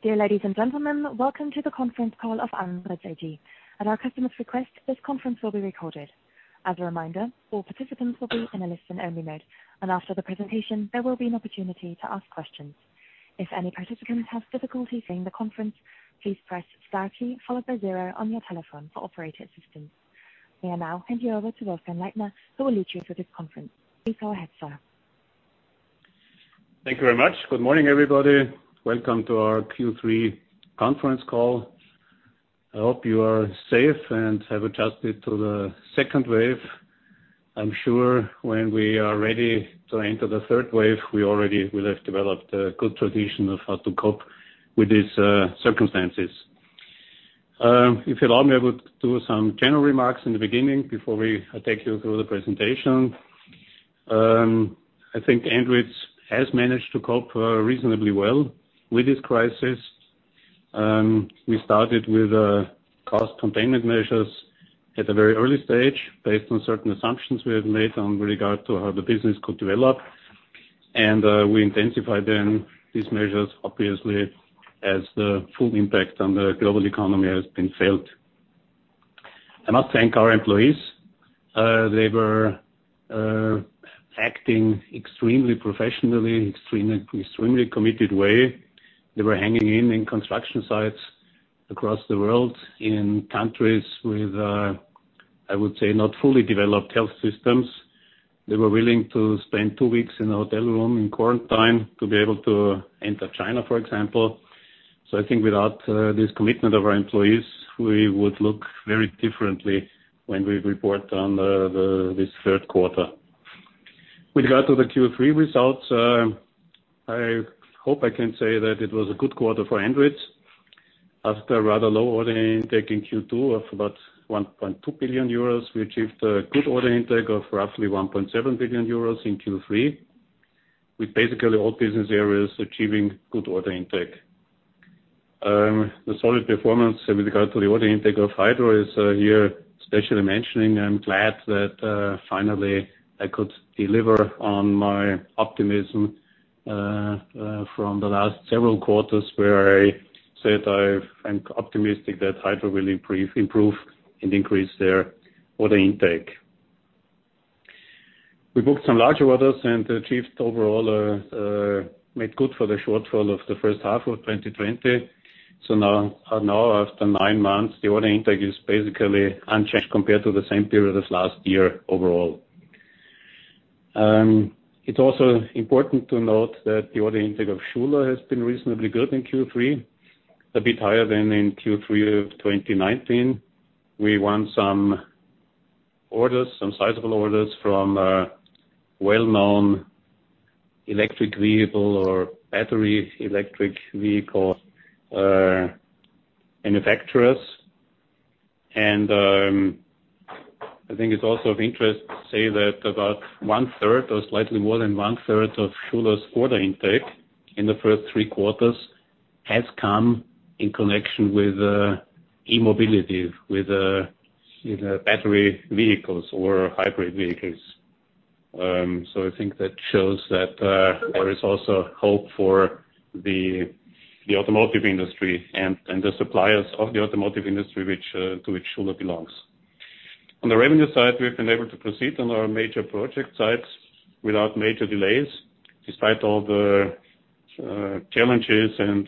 Dear ladies and gentlemen, welcome to the conference call of Andritz AG. At our customer's request, this conference will be recorded. As a reminder, all participants will be in a listen-only mode, and after the presentation, there will be an opportunity to ask questions. If any participant has difficulty seeing the conference, please press star key followed by zero on your telephone for operator assistance. We will now hand you over to Wolfgang Leitner, who will lead you through this conference. Please go ahead, sir. Thank you very much. Good morning, everybody. Welcome to our Q3 conference call. I hope you are safe and have adjusted to the second wave. I'm sure when we are ready to enter the third wave, we already will have developed a good tradition of how to cope with these circumstances. If you'll allow me, I would do some general remarks in the beginning before I take you through the presentation. I think Andritz has managed to cope reasonably well with this crisis. We started with cost containment measures at a very early stage based on certain assumptions we had made in regard to how the business could develop. We intensified then these measures, obviously, as the full impact on the global economy has been felt. I must thank our employees. They were acting extremely professionally, extremely committed way. They were hanging in construction sites across the world in countries with, I would say, not fully developed health systems. They were willing to spend two weeks in a hotel room in quarantine to be able to enter China, for example. I think without this commitment of our employees, we would look very differently when we report on this third quarter. With regard to the Q3 results, I hope I can say that it was a good quarter for Andritz. After a rather low order intake in Q2 of about 1.2 billion euros, we achieved a good order intake of roughly 1.7 billion euros in Q3, with basically all business areas achieving good order intake. The solid performance with regard to the order intake of Hydro is here, especially mentioning, I'm glad that finally I could deliver on my optimism from the last several quarters where I said I'm optimistic that Hydro will improve and increase their order intake. We booked some larger orders and achieved overall, made good for the shortfall of the first half of 2020. Now after nine months, the order intake is basically unchanged compared to the same period as last year overall. It's also important to note that the order intake of Schuler has been reasonably good in Q3, a bit higher than in Q3 of 2019. We won some sizable orders from well-known electric vehicle or battery electric vehicle manufacturers. I think it's also of interest to say that about one third or slightly more than one third of Schuler's order intake in the first three quarters has come in connection with e-mobility, with battery vehicles or hybrid vehicles. I think that shows that there is also hope for the automotive industry and the suppliers of the automotive industry, to which Schuler belongs. On the revenue side, we've been able to proceed on our major project sites without major delays, despite all the challenges and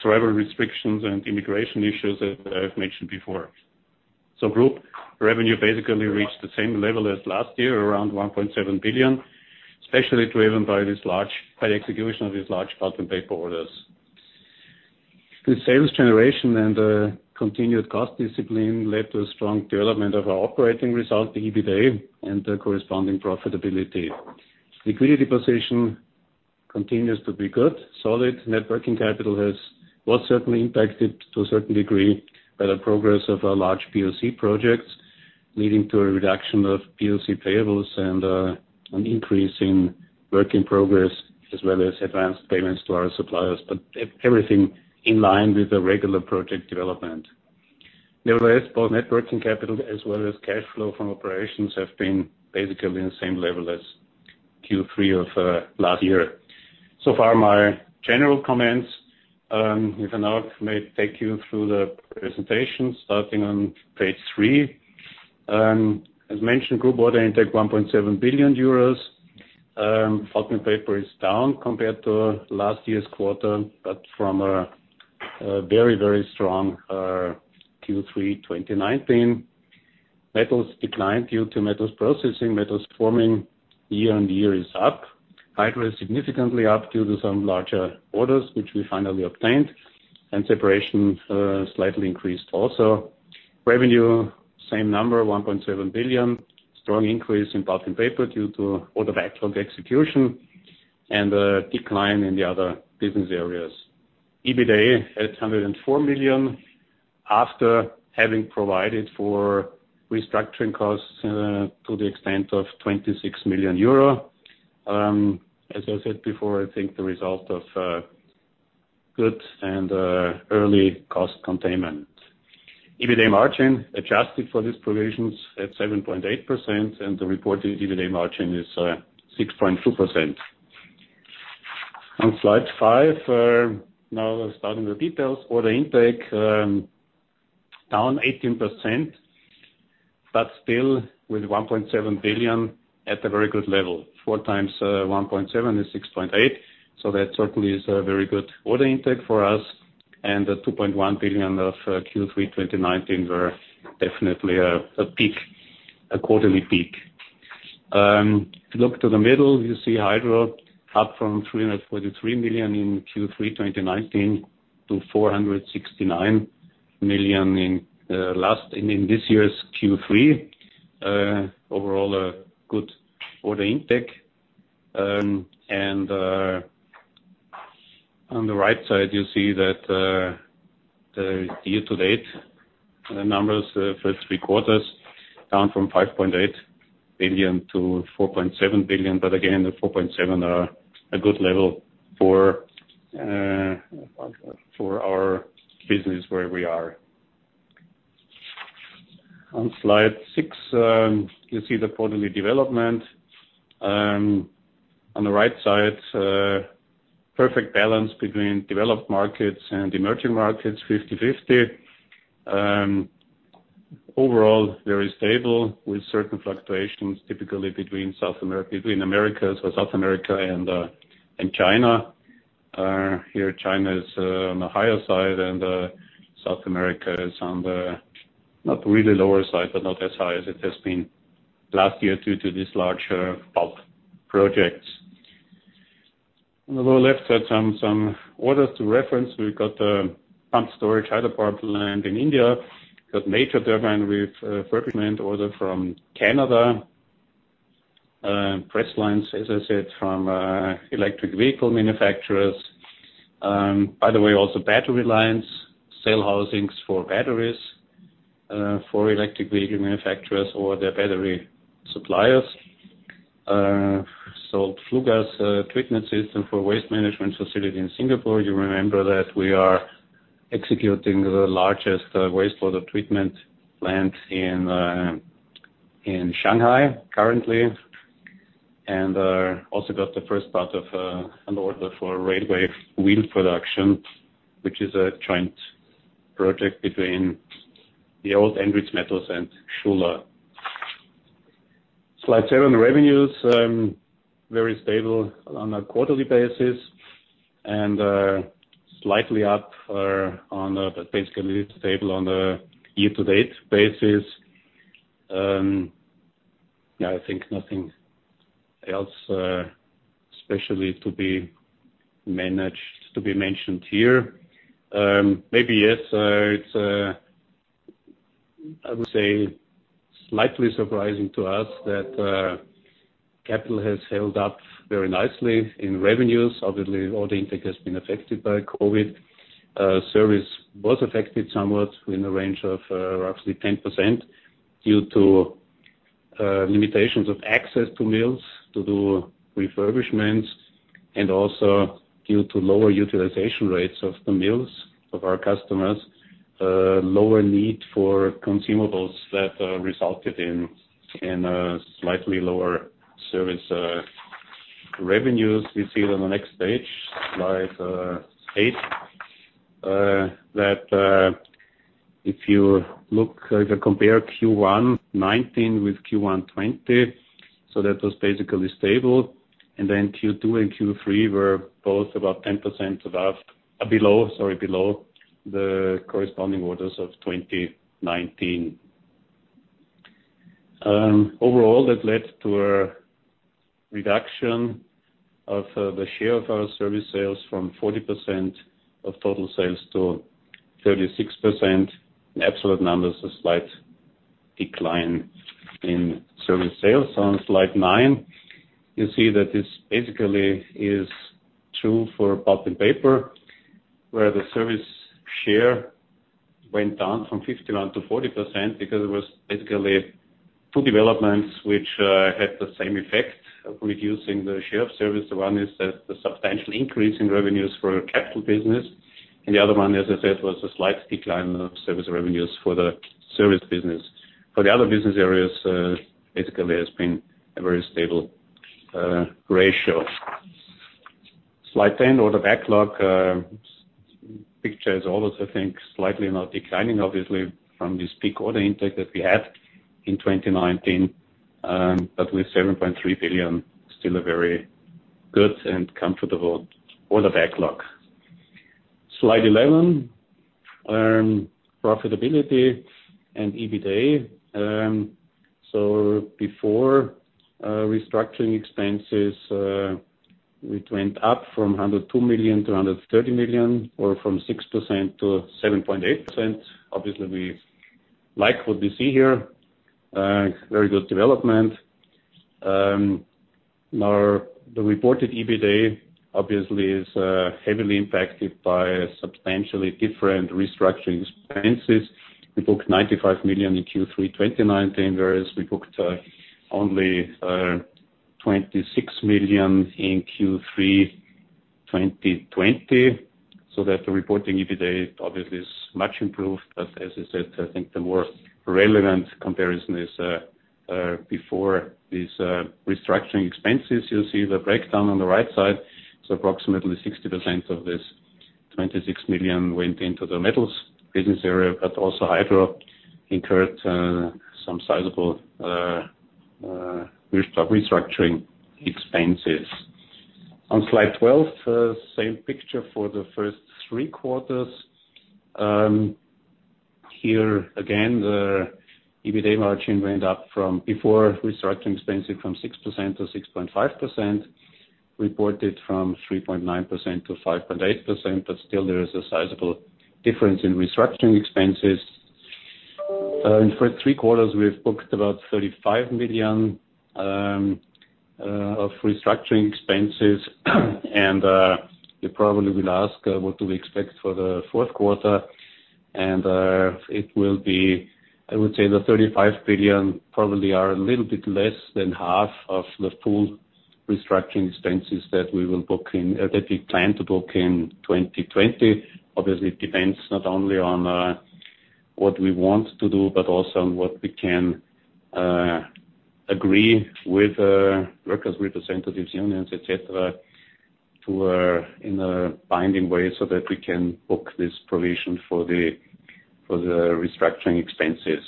travel restrictions and immigration issues that I've mentioned before. Group revenue basically reached the same level as last year, around 1.7 billion, especially driven by the execution of these large Pulp & Paper orders. Good sales generation and continued cost discipline led to a strong development of our operating result, the EBITDA, and the corresponding profitability. Liquidity position continues to be good. Solid net working capital was certainly impacted to a certain degree by the progress of our large POC projects, leading to a reduction of POC payables and an increase in work in progress, as well as advanced payments to our suppliers. Everything in line with the regular project development. Nevertheless, both net working capital as well as cash flow from operations have been basically the same level as Q3 of last year. So far my general comments. If I now may take you through the presentation, starting on page three. As mentioned, group order intake 1.7 billion euros. Pulp & Paper is down compared to last year's quarter, from a very strong Q3 2019. Metals declined due to Metals Processing. Metals Forming year-on-year is up. Hydro is significantly up due to some larger orders, which we finally obtained. Separation slightly increased also. Revenue, same number, 1.7 billion. Strong increase in Pulp & Paper due to order backlog execution and a decline in the other business areas. EBITDA at 104 million after having provided for restructuring costs to the extent of 26 million euro. As I said before, I think the result of good and early cost containment. EBITDA margin adjusted for these provisions at 7.8%, and the reported EBITDA margin is 6.2%. On slide five, now starting with details. Order intake down 18%, but still with 1.7 billion at a very good level. Four times 1.7 is 6.8 billion, that certainly is a very good order intake for us, the 2.1 billion of Q3 2019 were definitely a peak, a quarterly peak. If you look to the middle, you see Hydro up from 343 million in Q3 2019 to 469 million in this year's Q3. Overall, a good order intake. On the right side, you see that the year-to-date numbers for three quarters down from 5.8 billion to 4.7 billion. Again, the 4.7 are a good level for our business where we are. On slide six, you see the quarterly development. On the right side, perfect balance between developed markets and emerging markets, 50/50. Overall, very stable with certain fluctuations, typically between South America and China. Here, China is on the higher side, and South America is on the, not really lower side, but not as high as it has been last year due to these larger pulp projects. On the lower left side, some orders to reference. We got a pumped-storage Hydropower plant in India. We got major turbine refurbishment order from Canada. Press lines, as I said, from electric vehicle manufacturers. By the way, also battery lines, cell housings for batteries for electric vehicle manufacturers or their battery suppliers. Sold flue gas treatment system for waste management facility in Singapore. You remember that we are executing the largest waste water treatment plant in Shanghai currently. Also got the first part of an order for railway wheel production, which is a joint project between the old ANDRITZ Metals and Schuler. Slide seven, the revenues. Very stable on a quarterly basis and slightly up, but basically stable on the year-to-date basis. I think nothing else, especially to be mentioned here. Maybe, yes. I would say slightly surprising to us that Capital has held up very nicely in revenues. Obviously, order intake has been affected by COVID. Service was affected somewhat in the range of roughly 10% due to limitations of access to mills to do refurbishments, and also due to lower utilization rates of the mills of our customers. Lower need for consumables that resulted in a slightly lower service. Revenues, you see it on the next page, slide eight, that if you compare Q1 2019 with Q1 2020, that was basically stable. Q2 and Q3 were both about 10% below the corresponding quarters of 2019. Overall, that led to a reduction of the share of our service sales from 40% of total sales to 36%. In absolute numbers, a slight decline in service sales. On slide nine, you see that this basically is true for Pulp & Paper, where the service share went down from 51% to 40% because it was basically two developments which had the same effect of reducing the share of service. Service one is the substantially increasing revenues for our capital business. The other one, as I said, was a slight decline of service revenues for the Service business. For the other business areas, basically has been a very stable ratio. Slide 10, order backlog. Picture is also, I think, slightly now declining, obviously, from this peak order intake that we had in 2019. With 7.3 billion, still a very good and comfortable order backlog. Slide 11. Profitability and EBITDA. Before restructuring expenses, we went up from 102 million to 130 million or from 6% to 7.8%. Obviously, we like what we see here. Very good development. The reported EBITDA obviously is heavily impacted by substantially different restructuring expenses. We booked 95 million in Q3 2019, whereas we booked only 26 million in Q3 2020, the reporting EBITA obviously is much improved. As I said, I think the more relevant comparison is before these restructuring expenses. You'll see the breakdown on the right side. Approximately 60% of this 26 million went into the Metals business area, but also Hydro incurred some sizable restructuring expenses. On slide 12, same picture for the first three quarters. Here again, the EBITA margin went up from before restructuring expenses from 6% to 6.5%, reported from 3.9% to 5.8%, still there is a sizable difference in restructuring expenses. In the first three quarters, we have booked about 35 million of restructuring expenses. You probably will ask, what do we expect for the fourth quarter? It will be, I would say the 35 million probably are a little bit less than half of the full restructuring expenses that we plan to book in 2020. Obviously, it depends not only on what we want to do, but also on what we can agree with workers representatives, unions, et cetera, in a binding way so that we can book this provision for the restructuring expenses.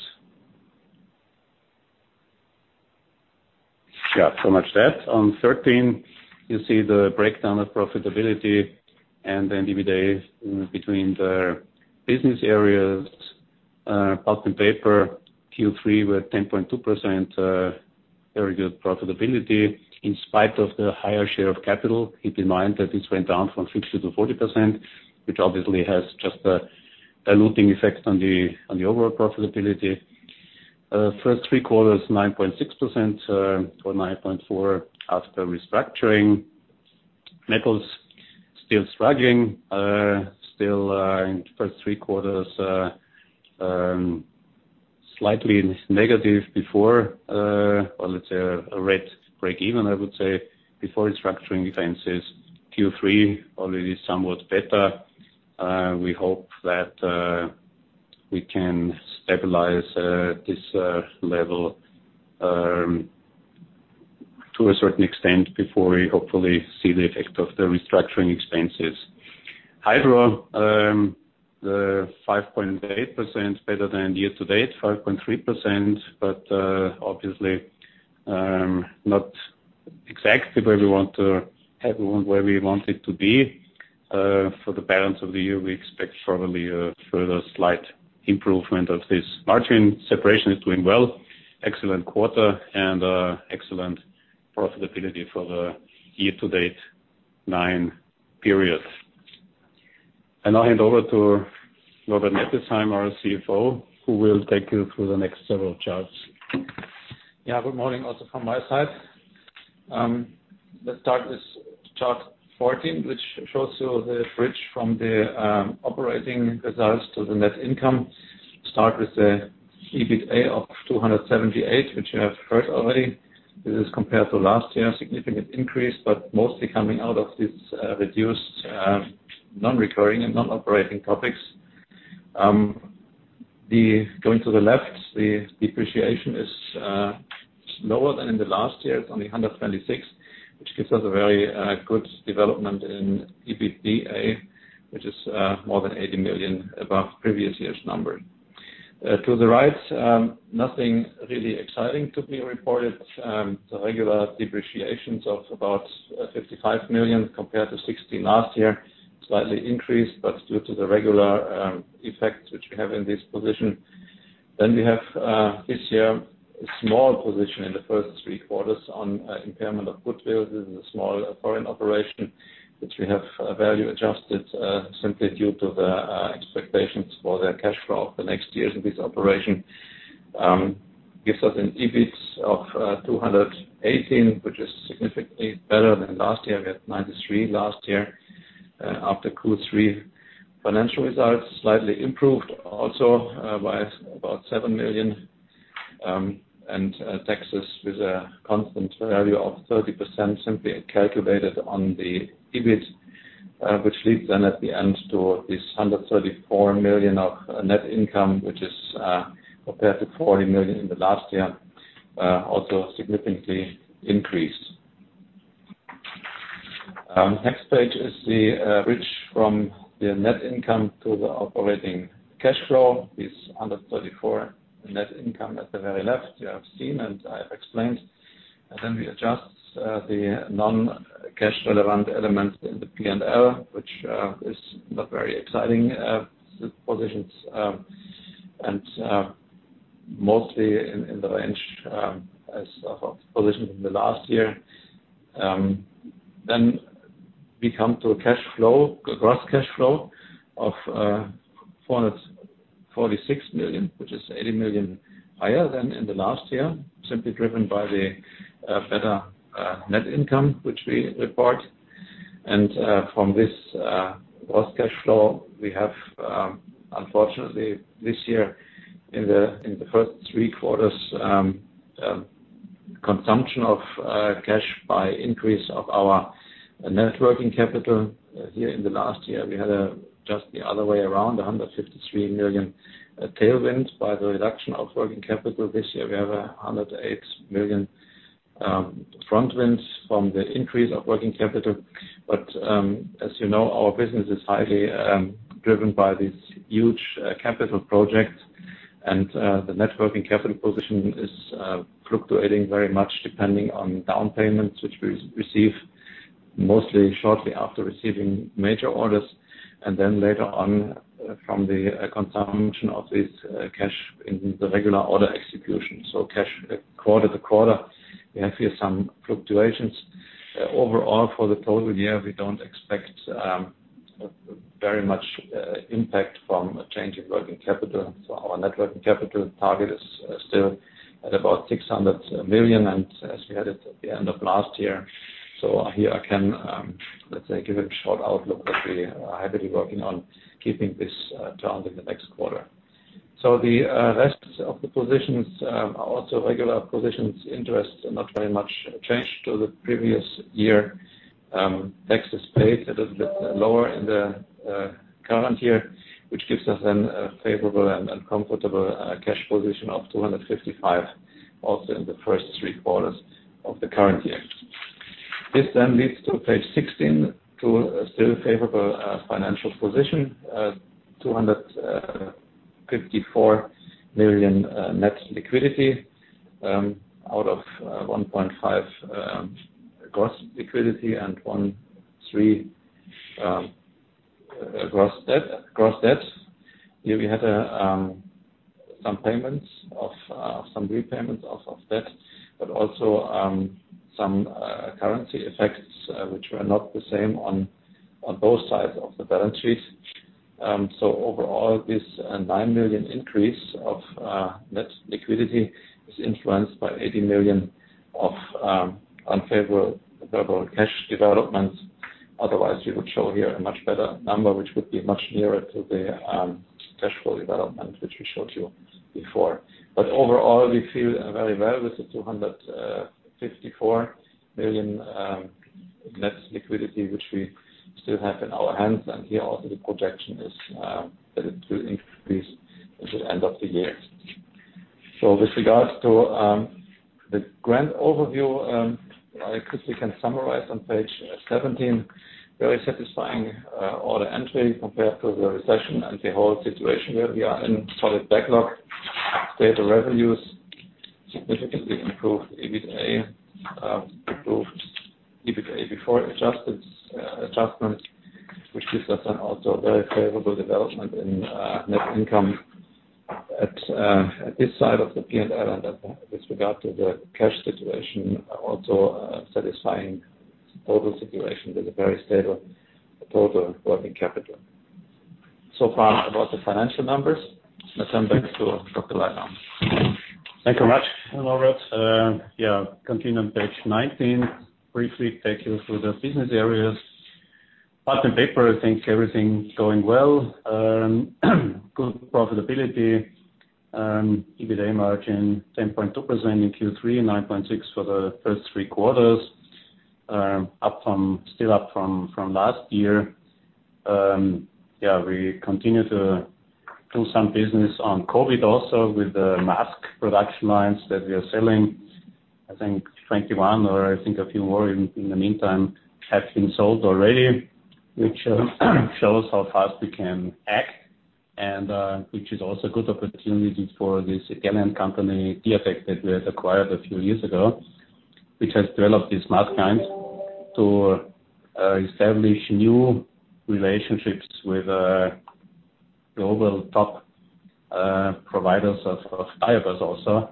So much that. On 13, you see the breakdown of profitability and the EBITA between the business areas. Pulp & Paper, Q3 were 10.2%, very good profitability in spite of the higher share of capital. Keep in mind that this went down from 60% to 40%, which obviously has just a diluting effect on the overall profitability. First three quarters, 9.6% or 9.4% after restructuring. Metals, still struggling. Still in the first three quarters, slightly negative before, or let's say a red break even, I would say, before restructuring expenses. Q3 already is somewhat better. We hope that we can stabilize this level to a certain extent before we hopefully see the effect of the restructuring expenses. Hydro, 5.8% better than year to date, 5.3%, but obviously, not exactly where we want it to be. For the balance of the year, we expect probably a further slight improvement of this margin. Separation is doing well. Excellent quarter and excellent profitability for the year to date nine periods. I hand over to Norbert Nettesheim, our CFO, who will take you through the next several charts. Good morning also from my side. Let's start with chart 14, which shows you the bridge from the operating results to the net income. Start with the EBITA of 278, which you have heard already. This is compared to last year, a significant increase, but mostly coming out of this reduced non-recurring and non-operating topics. Going to the left, the depreciation is lower than in the last year. It's only 126, which gives us a very good development in EBITDA, which is more than 80 million above previous year's number. To the right, nothing really exciting to be reported. The regular depreciations of about 55 million compared to 60 last year, slightly increased, but due to the regular effects which we have in this position. We have this year, a small position in the first three quarters on impairment of goodwill. This is a small foreign operation, which we have value adjusted simply due to the expectations for their cash flow for next year in this operation. Gives us an EBIT of 218, which is significantly better than last year. We had 93 last year after Q3 financial results slightly improved also by about 7 million, and taxes with a constant value of 30%, simply calculated on the EBIT, which leads at the end to this 134 million of net income, which is compared to 40 million in the last year, also significantly increased. Next page is the bridge from the net income to the operating cash flow, this 134 net income at the very left you have seen and I have explained. We adjust the non-cash relevant elements in the P&L, which is not very exciting positions and mostly in the range as of positions in the last year. We come to a gross cash flow of 446 million, which is 80 million higher than in the last year, simply driven by the better net income, which we report. From this gross cash flow, we have, unfortunately this year in the first three quarters Consumption of cash by increase of our net working capital. Here in the last year, we had just the other way around, 153 million tailwinds by the reduction of working capital. This year we have 108 million headwinds from the increase of working capital. As you know, our business is highly driven by these huge capital projects, and the net working capital position is fluctuating very much depending on down payments, which we receive mostly shortly after receiving major orders, and then later on from the consumption of this cash in the regular order execution. Cash quarter-to-quarter, we have here some fluctuations. Overall, for the total year, we don't expect very much impact from a change in working capital. Our net working capital target is still at about 600 million, and as we had it at the end of last year. Here I can, let's say, give a short outlook that we are heavily working on keeping this target in the next quarter. The rest of the positions are also regular positions. Interests are not very much changed to the previous year. Taxes paid a little bit lower in the current year, which gives us then a favorable and comfortable cash position of 255 also in the first three quarters of the current year. This leads to page 16, to a still favorable financial position. 254 million net liquidity out of 1.5 gross liquidity and 1.3 gross debt. Here we had some repayments of debt, but also some currency effects, which were not the same on both sides of the balance sheets. Overall, this nine million increase of net liquidity is influenced by 80 million of unfavorable cash developments. Otherwise, we would show here a much better number, which would be much nearer to the cash flow development, which we showed you before. Overall, we feel very well with the 254 million net liquidity, which we still have in our hands. Here also the projection is that it will increase at the end of the year. With regards to the grand overview, I quickly can summarize on page 17. Very satisfying order entry compared to the recession and the whole situation where we are in. Solid backlog. Stable revenues. Significantly improved EBITDA. Improved EBITDA before adjustments, which gives us an also very favorable development in net income at this side of the P&L. With regard to the cash situation, also a satisfying total situation with a very stable total working capital. So far about the financial numbers. Let's turn back to Dr. Leitner. Thank you very much, Norbert. Yeah. Continue on page 19. Briefly take you through the business areas. Pulp & Paper, I think everything's going well. Good profitability. EBITDA margin 10.2% in Q3, 9.6% for the first three quarters. Still up from last year. We continue to do some business on COVID also with the mask production lines that we are selling. I think 21 or I think a few more in the meantime have been sold already, which shows how fast we can act and which is also a good opportunity for this Italian company, Diatec, that we had acquired a few years ago. Which has developed these mask lines to establish new relationships with global top providers of diapers also,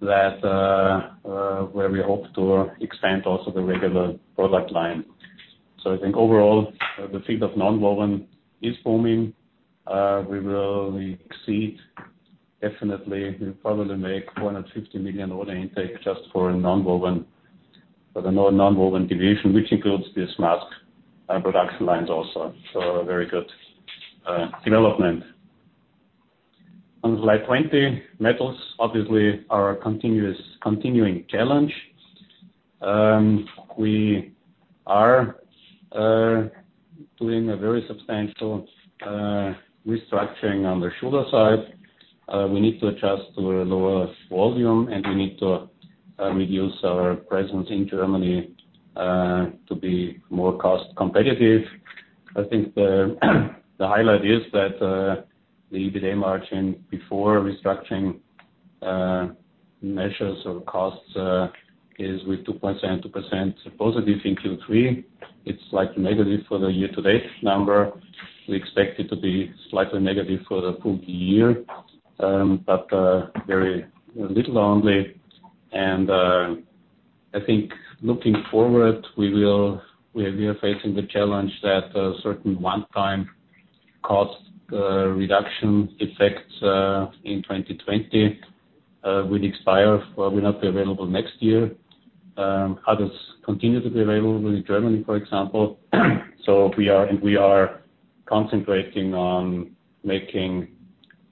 where we hope to expand also the regular product line. I think overall, the field of nonwoven is booming. We will exceed, definitely, we'll probably make 150 million order intake just for nonwoven. For the nonwoven division, which includes these mask production lines also. A very good development. On slide 20, Metals obviously are a continuing challenge. We are doing a very substantial restructuring on the Schuler side. We need to adjust to a lower volume, and we need to reduce our presence in Germany to be more cost competitive. I think the highlight is that the EBITDA margin before restructuring measures or costs is with 2.7%, 2% positive in Q3. It's slightly negative for the year-to-date number. We expect it to be slightly negative for the full year. Very little only. I think looking forward, we are facing the challenge that a certain one-time cost reduction effects in 2020 will expire or will not be available next year. Others continue to be available in Germany, for example. We are concentrating on making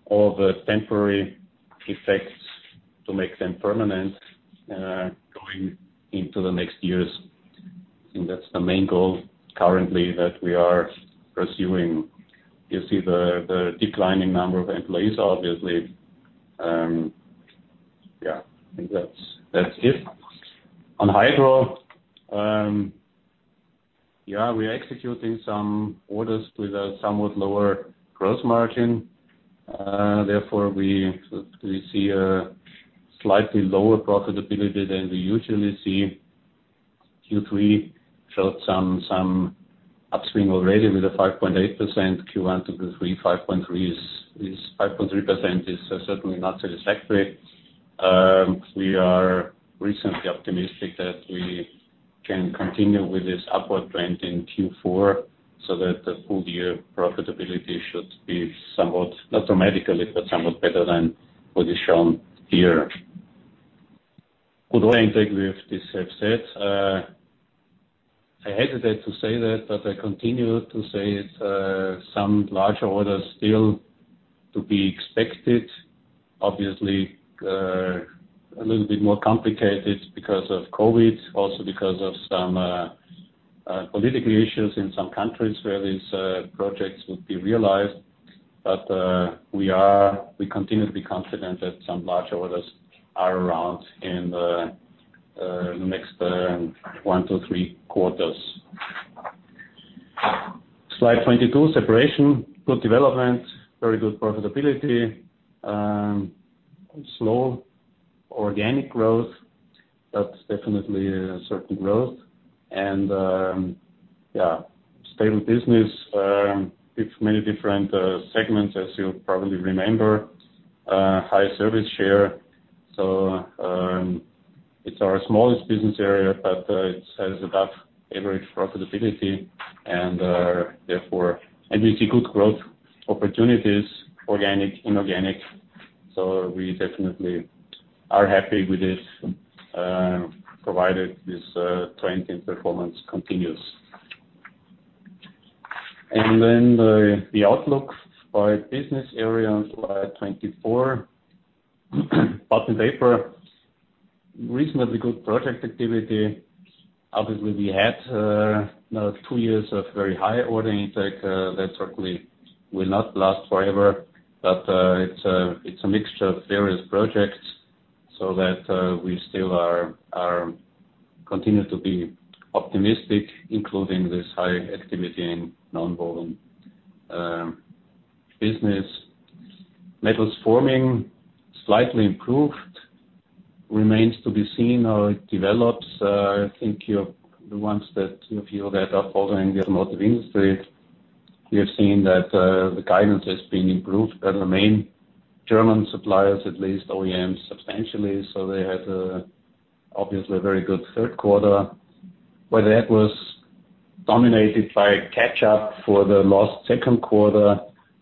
all the temporary effects to make them permanent, going into the next years. I think that's the main goal currently that we are pursuing. You see the declining number of employees, obviously. I think that's it. On Hydropower, we are executing some orders with a somewhat lower gross margin. Therefore, we see a slightly lower profitability than we usually see. Q3 showed some upswing already with a 5.8%. Q1 to Q3, 5.3% is certainly not satisfactory. We are reasonably optimistic that we can continue with this upward trend in Q4, so that the full year profitability should be, not dramatically, but somewhat better than what is shown here. Good order intake, we have this offset. I hesitated to say that, but I continue to say it. Some larger orders still to be expected. Obviously, a little bit more complicated because of COVID, also because of some political issues in some countries where these projects would be realized. We continue to be confident that some larger orders are around in the next one to three quarters. Slide 22, Separation. Good development, very good profitability. Slow organic growth, but definitely a certain growth. Stable business with many different segments, as you probably remember. High service share. It's our smallest business area, but it has above-average profitability, and we see good growth opportunities, organic, inorganic. We definitely are happy with this, provided this trend and performance continues. The outlook by business area on slide 24. Paper, reasonably good project activity. Obviously, we had now two years of very high ordering intake. That certainly will not last forever. It's a mixture of various projects, so that we still continue to be optimistic, including this high activity in nonwoven business. Metals Forming, slightly improved. Remains to be seen how it develops. I think the ones that feel that are following the automotive industry, we have seen that the guidance has been improved by the main German suppliers, at least OEMs, substantially. They had obviously a very good third quarter. Whether that was dominated by a catch-up for the lost second quarter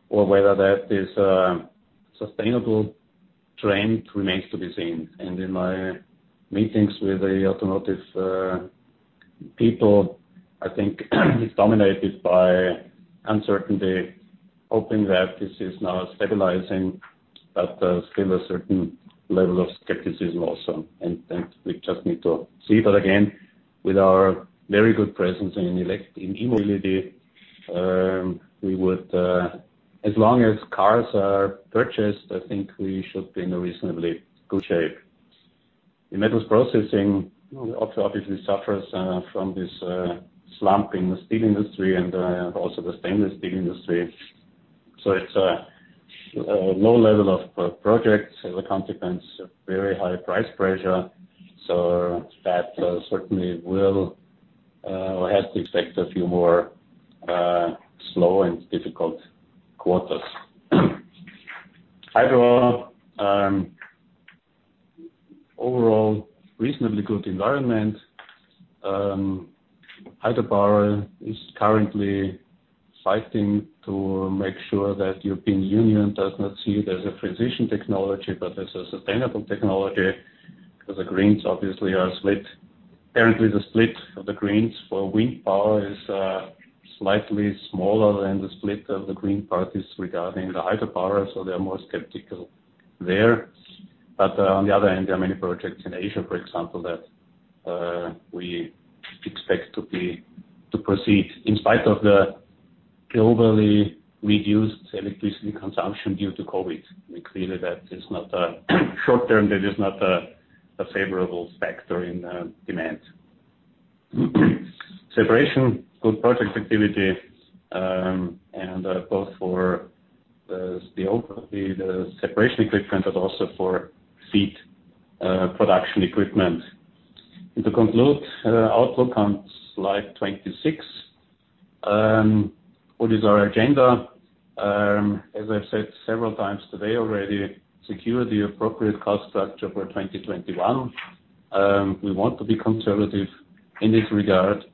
or whether that is a sustainable trend remains to be seen. In my meetings with the automotive people, I think it's dominated by uncertainty, hoping that this is now stabilizing, but still a certain level of skepticism also. We just need to see. Again, with our very good presence in e-mobility, as long as cars are purchased, I think we should be in a reasonably good shape. In Metals Processing, obviously suffers from this slump in the steel industry and also the stainless steel industry. It's a low level of projects. As a consequence, very high price pressure. We'll have to expect a few more slow and difficult quarters. Hydropower, overall reasonably good environment. Hydropower is currently fighting to make sure that European Union does not see it as a transition technology, but as a sustainable technology, because the Greens obviously are split. Apparently, the split of the Greens for wind power is slightly smaller than the split of the Green parties regarding the hydropower, they are more skeptical there. On the other hand, there are many projects in Asia, for example, that we expect to proceed, in spite of the globally reduced electricity consumption due to COVID. Clearly, short term, that is not a favorable factor in demand. Separation, good project activity, both for the Separation equipment, but also for feed production equipment. To conclude, outlook on slide 26. What is our agenda? As I've said several times today already, secure the appropriate cost structure for 2021. We want to be conservative in this regard.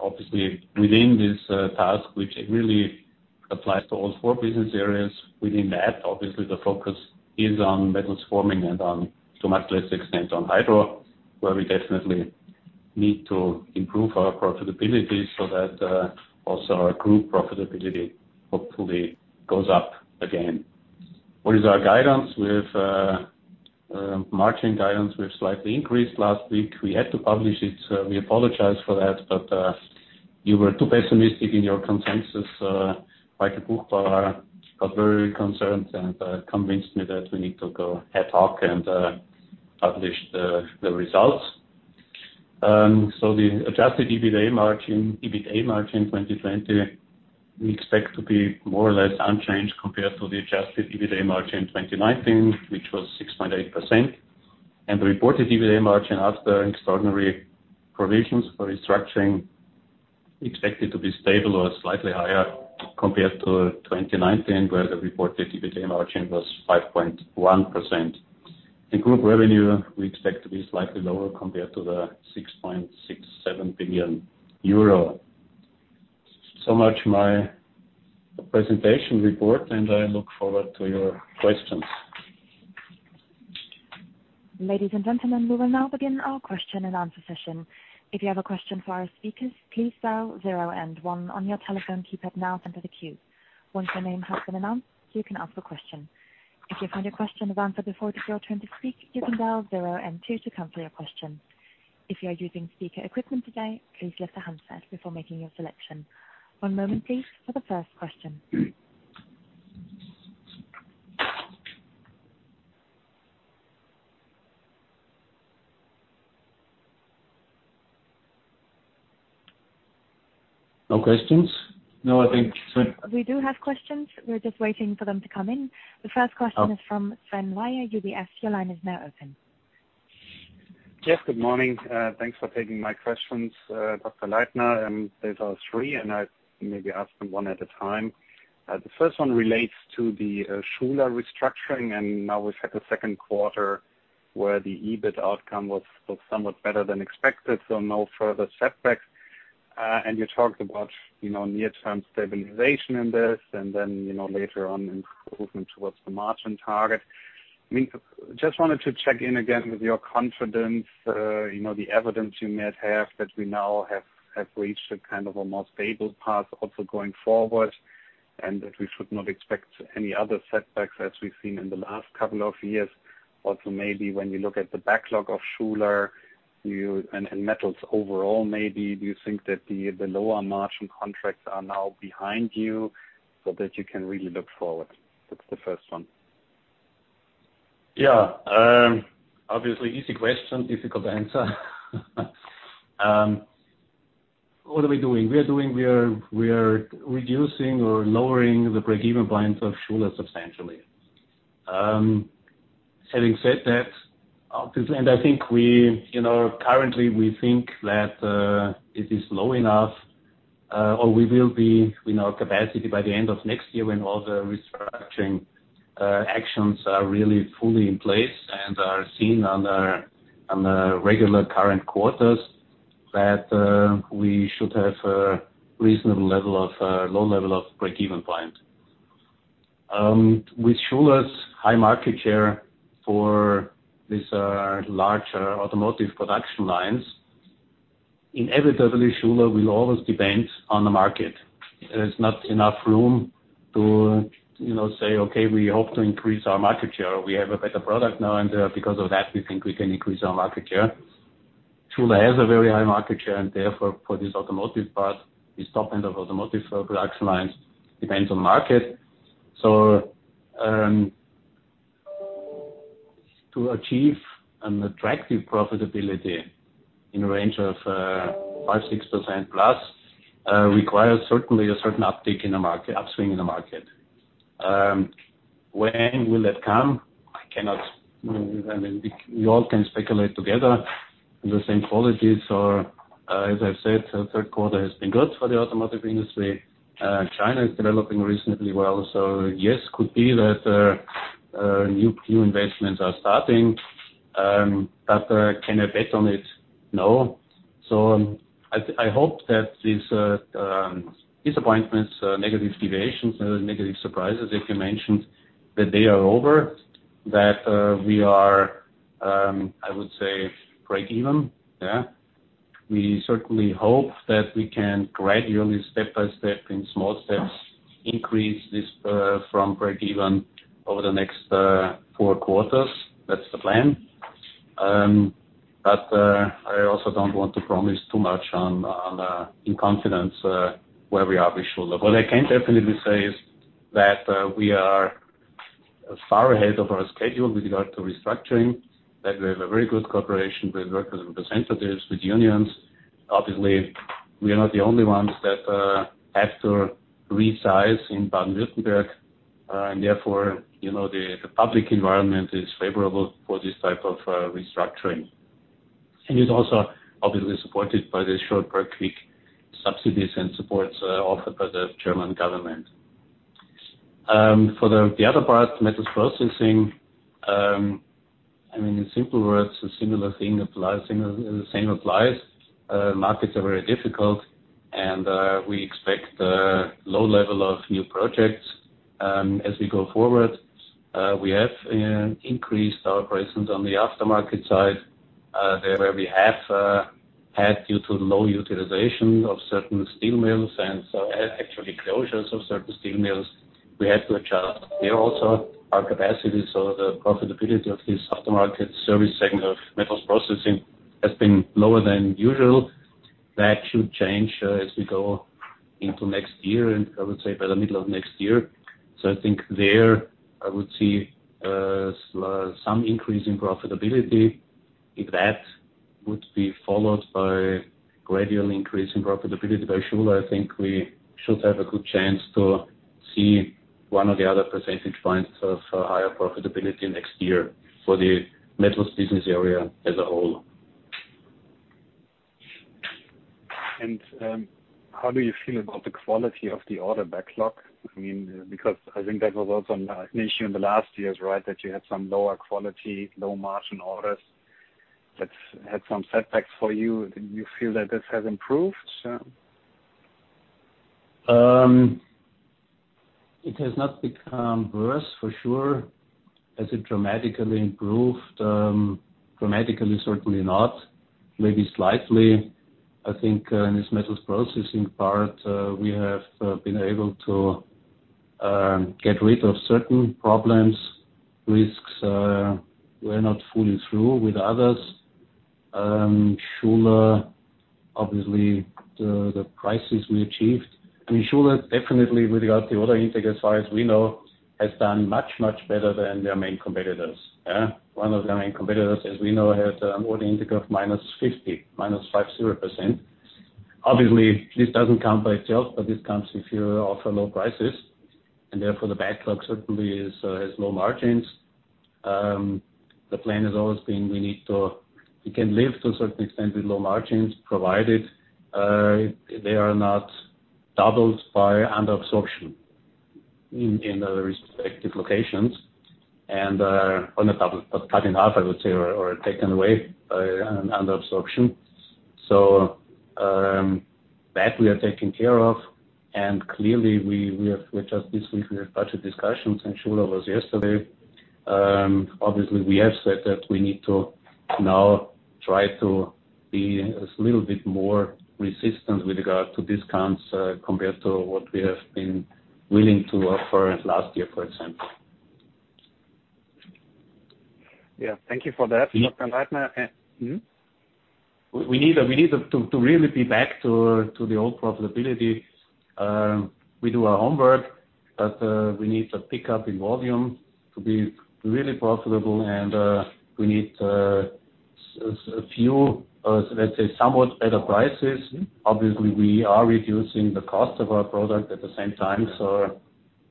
Obviously within this task, which really applies to all four business areas, within that, obviously, the focus is on Metals Forming and on to much less extent on Hydropower, where we definitely need to improve our profitability so that also our group profitability hopefully goes up again. What is our guidance? With margin guidance, we've slightly increased last week. We had to publish it, we apologize for that, but you were too pessimistic in your consensus. Michael Buchbauer got very concerned and convinced me that we need to go ad hoc and publish the results. The adjusted EBITA margin 2020, we expect to be more or less unchanged compared to the adjusted EBITA margin 2019, which was 6.8%. The reported EBITA margin after extraordinary provisions for restructuring, expected to be stable or slightly higher compared to 2019, where the reported EBITA margin was 5.1%. The group revenue we expect to be slightly lower compared to the 6.67 billion euro. Much my presentation report, and I look forward to your questions. Ladies and gentlemen, we will now begin our question and answer session. If you have a question for our speakers, please dial zero and one on your telephone keypad now to enter the queue. Once your name has been announced, you can ask a question. If you find your question has answered before it is your turn to speak, you can dial zero and two to cancel your question. If you are using speaker equipment today, please lift the handset before making your selection. One moment, please, for the first question. No questions? We do have questions. We're just waiting for them to come in. The first question is from Sven Weier, UBS. Yes, good morning. Thanks for taking my questions, Wolfgang Leitner. There are three, and I maybe ask them one at a time. The first one relates to the Schuler restructuring, and now we've had the second quarter where the EBITA outcome was somewhat better than expected, so no further setbacks. You talked about near-term stabilization in this, and then later on improvement towards the margin target. Just wanted to check in again with your confidence, the evidence you may have that we now have reached a kind of a more stable path also going forward, and that we should not expect any other setbacks as we've seen in the last couple of years. Maybe when you look at the backlog of Schuler and Metals overall, maybe do you think that the lower margin contracts are now behind you so that you can really look forward? That's the first one. Yeah. Obviously, easy question, difficult answer. What are we doing? We are reducing or lowering the break-even point of Schuler substantially. Having said that, currently we think that it is low enough, or we will be in our capacity by the end of next year when all the restructuring actions are really fully in place and are seen on the regular current quarters, that we should have a reasonable low level of break-even point. With Schuler's high market share for these larger automotive production lines, inevitably Schuler will always depend on the market. There's not enough room to say, "Okay, we hope to increase our market share. We have a better product now, and because of that, we think we can increase our market share." Schuler has a very high market share, and therefore for this automotive part, this top end of automotive production lines depends on market. To achieve an attractive profitability in a range of 5%, 6% plus, requires certainly a certain uptick in the market, upswing in the market. When will that come? We all can speculate together. The same qualities are, as I said, third quarter has been good for the automotive industry. China is developing reasonably well. Yes, could be that new investments are starting, but can I bet on it? No. I hope that these disappointments, negative deviations, negative surprises, if you mentioned, that they are over. That we are, I would say, break even. We certainly hope that we can gradually, step by step, in small steps, increase this from break even over the next four quarters. That's the plan. I also don't want to promise too much in confidence where we are with Schuler. What I can definitely say is that we are far ahead of our schedule with regard to restructuring, that we have a very good cooperation with workers and representatives with unions. We are not the only ones that have to resize in Baden-Württemberg, and therefore, the public environment is favorable for this type of restructuring. It's also obviously supported by the short work week subsidies and supports offered by the German government. For the other part, Metals Processing. In simple words, a similar thing applies. The same applies. Markets are very difficult. We expect a low level of new projects as we go forward. We have increased our presence on the aftermarket side. There where we have had, due to low utilization of certain steel mills and actually closures of certain steel mills, we had to adjust there also our capacity. The profitability of this aftermarket service segment of Metals Processing has been lower than usual. That should change as we go into next year, and I would say by the middle of next year. I think there I would see some increase in profitability. If that would be followed by gradual increase in profitability by Schuler, I think we should have a good chance to see one or the other percentage points of higher profitability next year for the Metals business area as a whole. How do you feel about the quality of the order backlog? I think that was also an issue in the last years, right? That you had some lower quality, low margin orders that had some setbacks for you. Do you feel that this has improved? It has not become worse, for sure. Has it dramatically improved? Dramatically, certainly not. Maybe slightly. I think in this Metals Processing part, we have been able to get rid of certain problems, risks. We're not fully through with others. Schuler, obviously, the prices we achieved. Schuler definitely, with regard to order intake, as far as we know, has done much, much better than their main competitors. One of their main competitors, as we know, has order intake of -50, -50%. Obviously, this doesn't come by itself, but this comes if you offer low prices, and therefore the backlog certainly has low margins. The plan has always been we can live to a certain extent with low margins, provided they are not doubled by under absorption in the respective locations. On the top of cutting half, I would say, or taken away by under absorption. That we are taking care of. Clearly we just this week, we had budget discussions, and Schuler was yesterday. Obviously, we have said that we need to now try to be a little bit more resistant with regard to discounts compared to what we have been willing to offer last year, for example. Yeah. Thank you for that, Wolfgang Leitner. Mm-hmm. We need to really be back to the old profitability. We do our homework, we need a pickup in volume to be really profitable and we need a few, let's say, somewhat better prices. Obviously, we are reducing the cost of our product at the same time.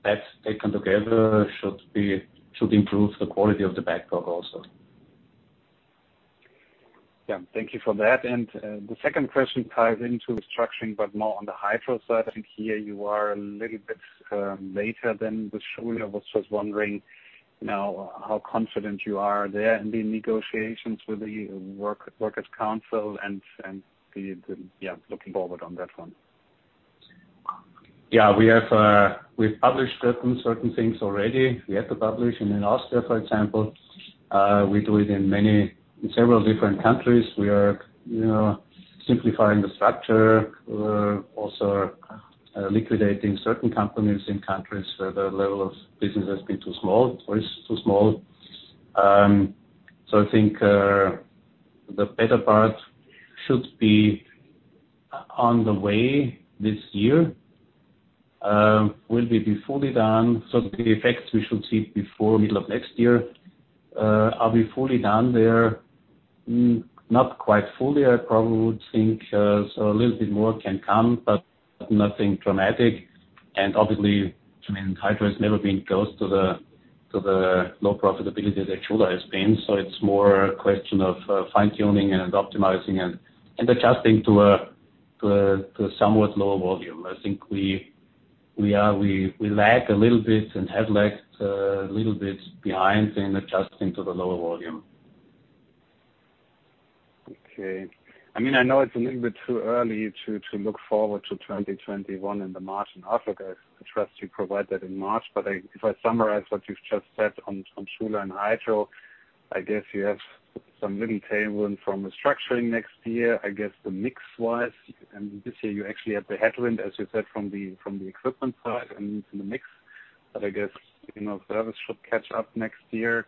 That, taken together, should improve the quality of the backlog also. Yeah. Thank you for that. The second question ties into restructuring, but more on the Hydropower side. I think here you are a little bit later than with Schuler. I was just wondering now how confident you are there in the negotiations with the workers council and looking forward on that one. Yeah. We've published certain things already. We had to publish in Austria, for example. We do it in several different countries. We are simplifying the structure. We're also liquidating certain companies in countries where the level of business has been too small or is too small. I think the better part should be on the way this year. Will we be fully done? The effects we should see before middle of next year. Are we fully done there? Not quite fully. I probably would think a little bit more can come, but nothing dramatic. Obviously, Hydropower has never been close to the low profitability that Schuler has been. It's more a question of fine tuning and optimizing and adjusting to a somewhat lower volume. I think we lag a little bit and have lagged a little bit behind in adjusting to the lower volume. Okay. I know it's a little bit too early to look forward to 2021 in the margin. Also, I trust you provide that in March. If I summarize what you've just said on Schuler and Hydropower, I guess you have some little tailwind from restructuring next year. I guess the mix wise, and this year you actually had the headwind, as you said, from the equipment side and from the mix. I guess service should catch up next year.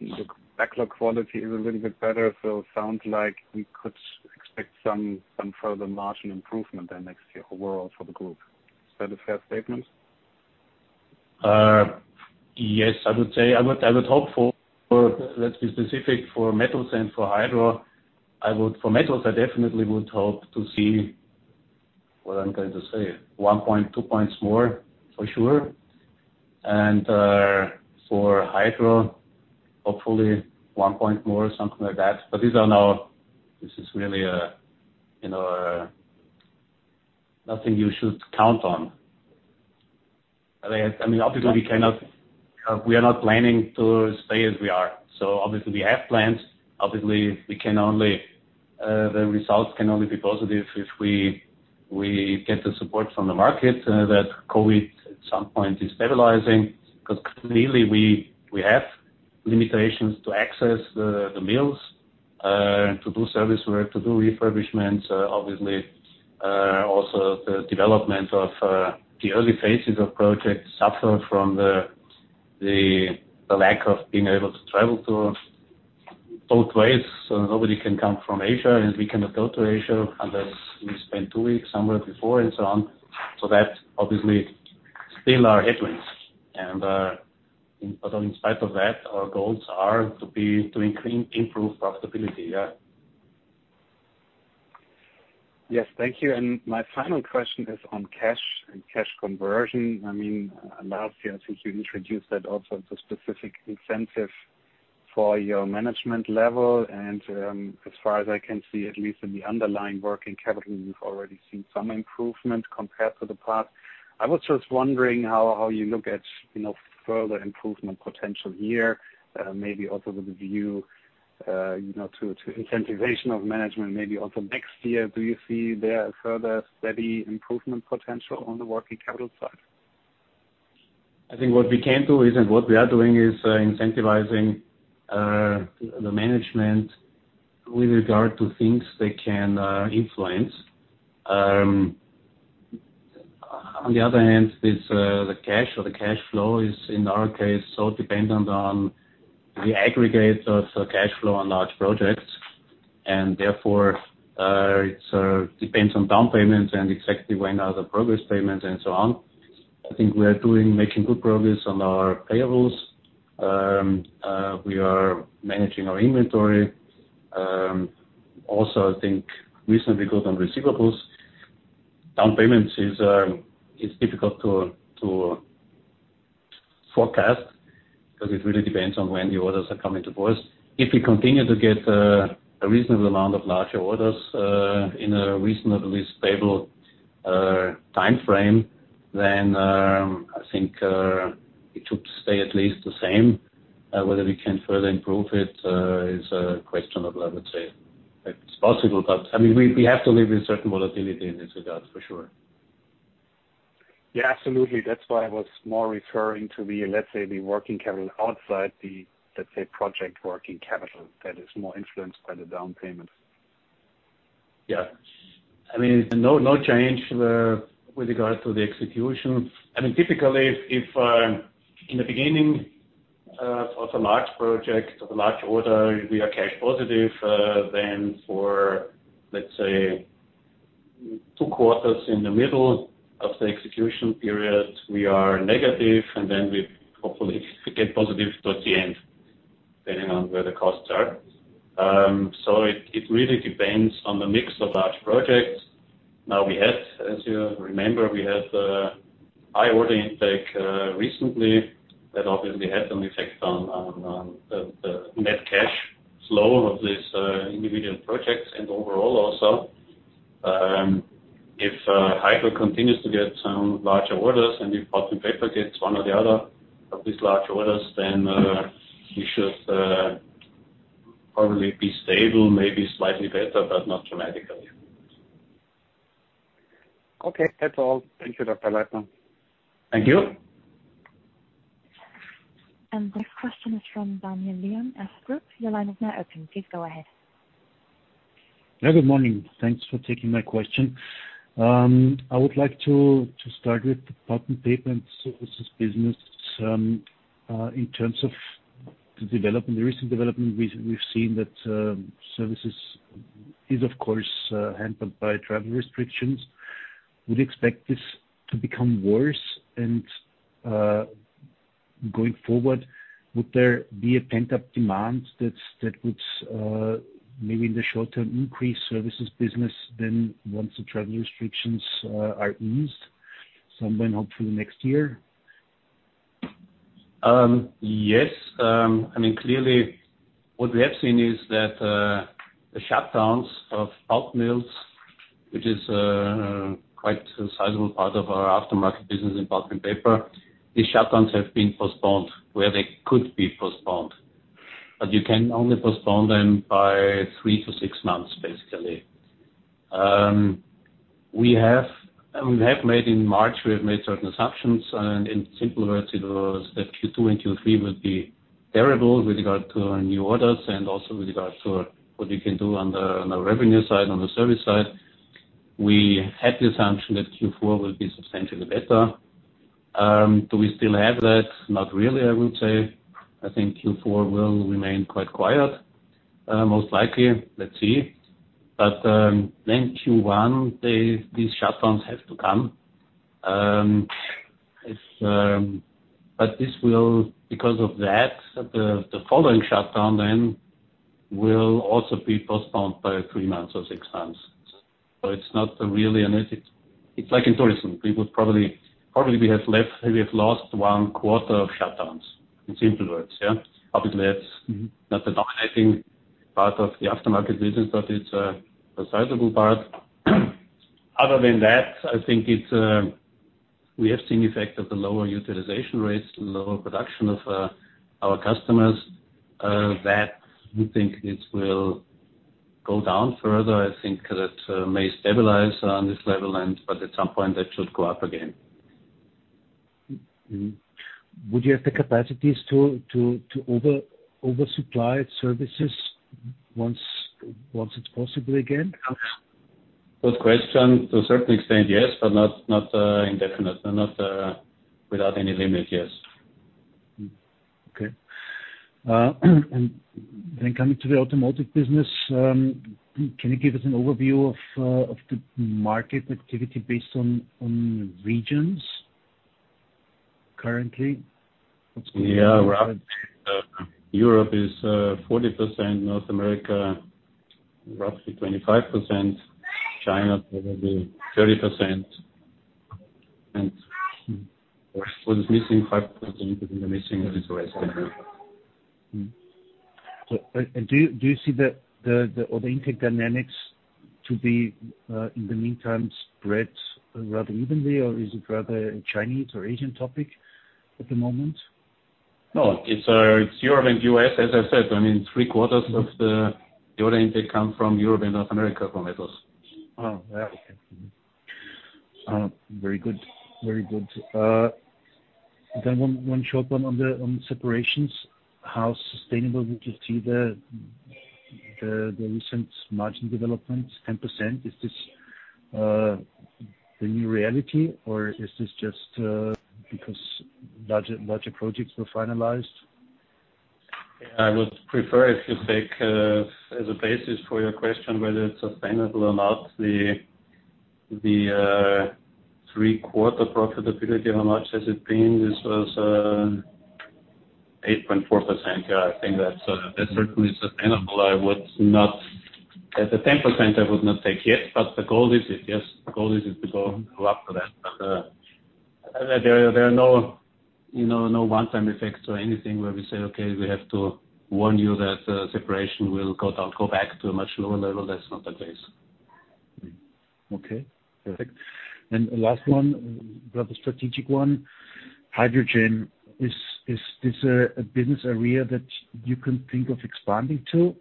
The backlog quality is a little bit better. Sounds like we could expect some further margin improvement then next year overall for the group. Is that a fair statement? Yes. I would hope for, let's be specific, for Metals and for Hydropower. For Metals, I definitely would hope to see, what I'm going to say, one point, two points more for sure. For Hydropower, hopefully one point more or something like that. This is really nothing you should count on. I mean, obviously we are not planning to stay as we are. Obviously we have plans. Obviously, the results can only be positive if we get the support from the market, that COVID at some point is stabilizing. Because clearly we have limitations to access the mills, to do service work, to do refurbishments. Obviously, also the development of the early phases of projects suffer from the lack of being able to travel both ways. Nobody can come from Asia and we cannot go to Asia unless we spend two weeks somewhere before and so on. That obviously still are headwinds and, although in spite of that, our goals are to improve profitability. Yeah. Yes. Thank you. My final question is on cash and cash conversion. I mean, last year, I think you introduced that also to specific incentive for your management level. As far as I can see, at least in the underlying working capital, you've already seen some improvement compared to the past. I was just wondering how you look at further improvement potential here. Maybe also with a view to incentivization of management maybe also next year. Do you see there further steady improvement potential on the working capital side? I think what we can do is, and what we are doing is, incentivizing the management with regard to things they can influence. The cash or the cash flow is, in our case, so dependent on the aggregate of cash flow on large projects. It depends on down payments and exactly when are the progress payments and so on. I think we are making good progress on our payables. We are managing our inventory. I think recently good on receivables. Down payments is difficult to forecast because it really depends on when the orders are coming to force. If we continue to get a reasonable amount of larger orders in a reasonably stable timeframe, I think it should stay at least the same. Whether we can further improve it is questionable, I would say. It's possible, but we have to live with certain volatility in this regard, for sure. Yeah, absolutely. That's why I was more referring to the, let's say, the working capital outside the, let's say, project working capital that is more influenced by the down payment. Yeah. No change with regard to the execution. Typically, if in the beginning of a large project or a large order, we are cash positive, then for, let's say, two quarters in the middle of the execution period, we are negative, and then we hopefully get positive towards the end, depending on where the costs are. It really depends on the mix of large projects. Now we have, as you remember, we had high order intake recently that obviously had some effect on the net cash flow of these individual projects and overall also. If Hydropower continues to get some larger orders and if Pulp & Paper gets one or the other of these large orders, then we should probably be stable, maybe slightly better, but not dramatically. Okay, that's all. Thank you, Dr. Leitner. Thank you. This question is from Daniel Lion, Erste Group. Your line is now open. Please go ahead. Yeah, good morning. Thanks for taking my question. I would like to start with the Pulp & Paper and Services business, in terms of the recent development, we've seen that Services is, of course, hampered by travel restrictions. Would you expect this to become worse? Going forward, would there be a pent-up demand that would, maybe in the short term, increase Services business than once the travel restrictions are eased somewhere hopefully next year? Yes. Clearly what we have seen is that the shutdowns of pulp mills, which is quite a sizable part of our aftermarket business in Pulp & Paper, these shutdowns have been postponed where they could be postponed. You can only postpone them by three to six months, basically. In March, we have made certain assumptions, and in simple words, it was that Q2 and Q3 would be terrible with regard to new orders and also with regard to what we can do on the revenue side, on the service side. We had the assumption that Q4 will be substantially better. Do we still have that? Not really, I would say. I think Q4 will remain quite quiet, most likely. Let's see. Q1, these shutdowns have to come. Because of that, the following shutdown then will also be postponed by three months or six months. It's not really an issue. It's like in tourism. Probably we have lost one quarter of shutdowns. In simple words, yeah. Obviously, it's not the dominating part of the aftermarket business, but it's a sizable part. Other than that, I think we have seen the effect of the lower utilization rates, lower production of our customers, that we think it will go down further. I think that may stabilize on this level, and, but at some point, that should go up again. Would you have the capacities to over supply services once it's possible again? Good question. To a certain extent, yes, but not indefinite. Not without any limit, yes. Okay. Coming to the automotive business, can you give us an overview of the market activity based on regions currently? Yeah. Roughly, Europe is 40%, North America, roughly 25%, China, probably 30%, and what is missing, 5% would be the missing is the rest of the world. Do you see the order intake dynamics to be, in the meantime, spread rather evenly, or is it rather a Chinese or Asian topic at the moment? No, it's Europe and U.S., as I said. I mean, three quarters of the order intake come from Europe and North America from metals. Oh, yeah. Okay. Very good. One short one on the Separation. How sustainable would you see the recent margin developments? 10%? Is this the new reality, or is this just because larger projects were finalized? I would prefer if you take, as a basis for your question, whether it's sustainable or not, the three-quarter profitability, how much has it been? This was 8.4%. I think that certainly sustainable. The 10% I would not take yet, the goal is it, yes. The goal is it to go up to that. There are no one-time effects or anything where we say, "Okay, we have to warn you that Separation will go back to a much lower level." That's not the case. Okay, perfect. Last one, rather strategic one. Hydrogen. Is this a business area that you can think of expanding to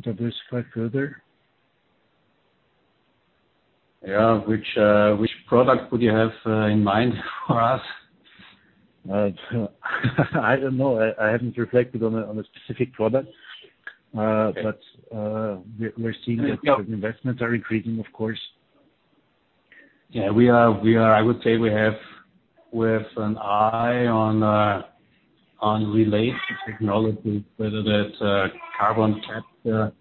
diversify further? Yeah. Which product would you have in mind for us? I don't know. I haven't reflected on a specific product. Okay. We're seeing that the investments are increasing, of course. Yeah. I would say we have with an eye on related technology, whether that's carbon capture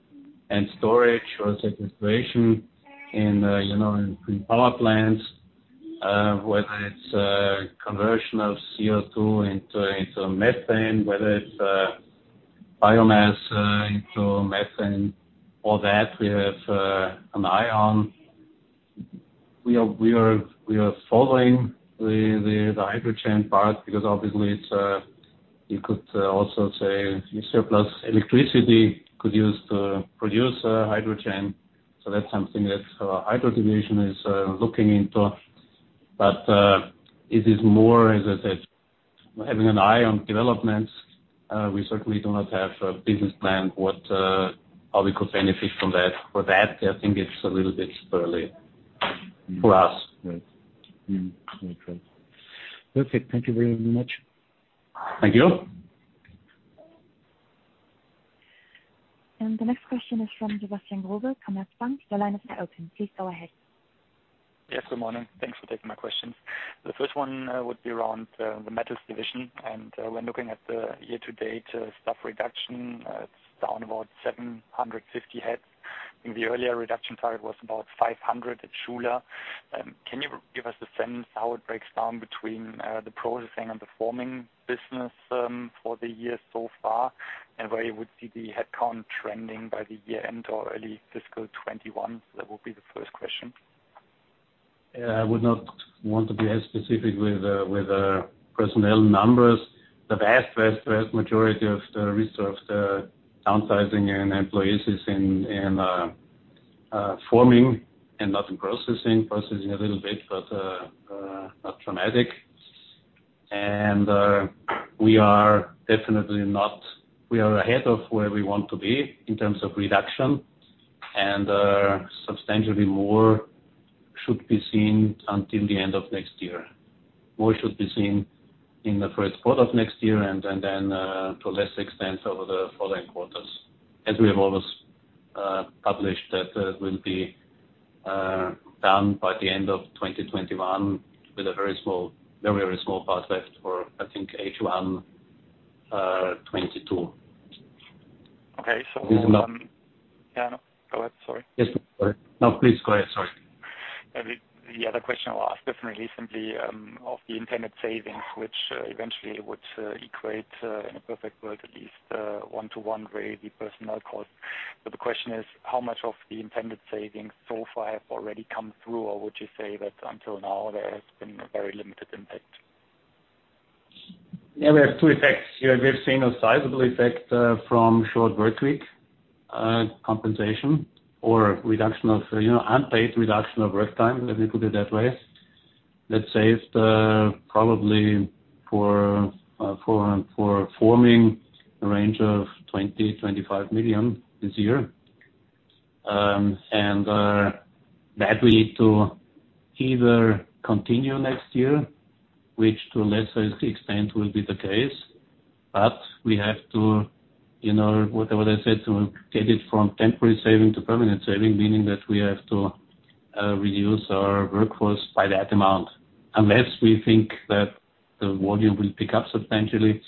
and storage or sequestration in pre-combustion in power plants, whether it's conversion of CO2 into methane, whether it's biomass into methane. All that we have an eye on. We are following the hydrogen part because obviously, you could also say surplus electricity could produce hydrogen. That's something that Hydro Division is looking into. It is more, as I said, having an eye on developments. We certainly do not have a business plan how we could benefit from that. For that, I think it's a little bit early for us. Right. Very true. Perfect. Thank you very much. Thank you. The next question is from Sebastian Growe, Commerzbank. Your line is now open. Please go ahead. Yes, good morning. Thanks for taking my questions. The first one would be around the Metals division. When looking at the year-to-date staff reduction, it's down about 750 heads. In the earlier reduction target was about 500 at Schuler. Can you give us a sense how it breaks down between the Metals Processing and the Metals Forming business for the year so far? Where you would see the headcount trending by the year-end or early fiscal 2021? That would be the first question. I would not want to be as specific with personnel numbers. The vast, vast majority of the risk of the downsizing in employees is in Metals Forming and not in Metals Processing. Metals Processing a little bit, but not dramatic. We are ahead of where we want to be in terms of reduction, and substantially more should be seen until the end of next year. More should be seen in the first quarter of next year, and then to a lesser extent over the following quarters. As we have always published, that will be done by the end of 2021 with a very, very small part left for, I think, H1 2022. Okay. This is not- Yeah. No, go ahead, sorry. Yes. Sorry. No, please, go ahead. Sorry. The other question I will ask differently, simply of the intended savings, which eventually would equate, in a perfect world at least, a one-to-one way the personnel cost. The question is, how much of the intended savings so far have already come through? Would you say that until now there has been a very limited impact? Yeah, we have two effects. We have seen a sizable effect from short work week compensation or unpaid reduction of work time, let me put it that way. Let's say it's probably for forming a range of 20 million-25 million this year. That will need to either continue next year, which to a lesser extent will be the case. We have to, whatever they said, to get it from temporary saving to permanent saving, meaning that we have to reduce our workforce by that amount. Unless we think that the volume will pick up substantially,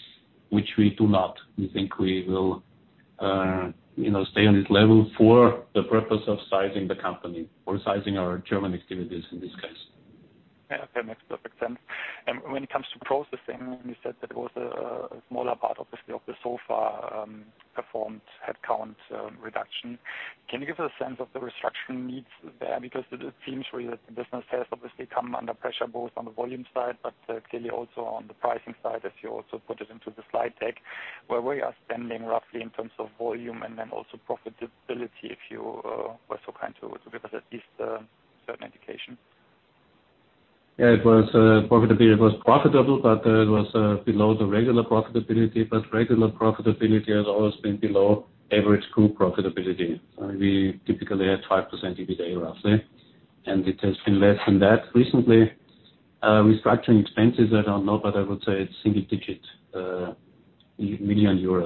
which we do not. We think we will stay on this level for the purpose of sizing the company or sizing our German activities in this case. Yeah. Okay. Makes perfect sense. When it comes to processing, when you said that it was a smaller part, obviously, of the so far performed headcount reduction, can you give us a sense of the restructuring needs there? Because it seems really that the business has obviously come under pressure, both on the volume side, but clearly also on the pricing side as you also put it into the slide deck. Where are you standing roughly in terms of volume and then also profitability, if you were so kind to give us at least a certain indication? It was profitable, but it was below the regular profitability. Regular profitability has always been below average group profitability. We typically had 5% EBITDA roughly, and it has been less than that recently. Restructuring expenses, I don't know, but I would say it's single-digit million EUR.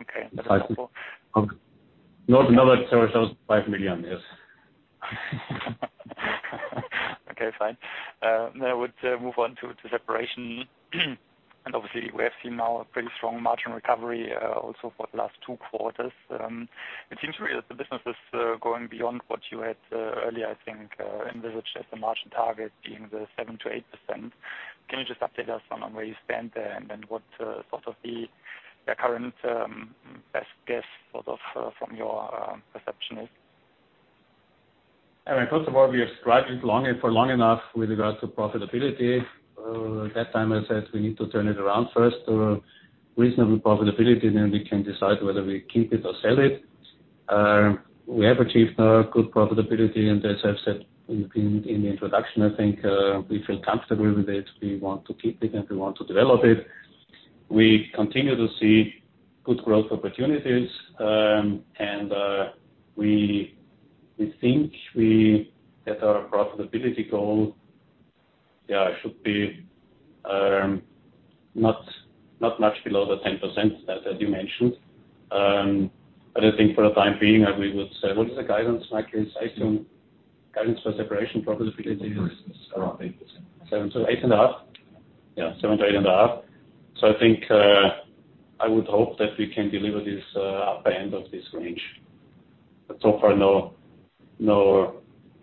Okay. That's helpful. No, that was 5 million. Yes. Okay, fine. I would move on to Separation. Obviously we have seen now a pretty strong margin recovery also for the last two quarters. It seems really that the business is going beyond what you had earlier, I think, envisaged as the margin target being the 7%-8%. Can you just update us on where you stand there and what sort of the current best guess sort of from your perception is? I mean, first of all, we have struggled for long enough with regards to profitability. At that time, I said we need to turn it around first to reasonable profitability, then we can decide whether we keep it or sell it. We have achieved now a good profitability. As I've said in the introduction, I think we feel comfortable with it. We want to keep it, and we want to develop it. We continue to see good growth opportunities. We think we set our profitability goal, yeah, it should be not much below the 10% that you mentioned. I think for the time being that we would say, what is the guidance, Michael, say to guidance for Separation profitability? It is around 8%. Seven to eight and a half? Yeah, seven to eight and a half. I think, I would hope that we can deliver this upper end of this range. So far,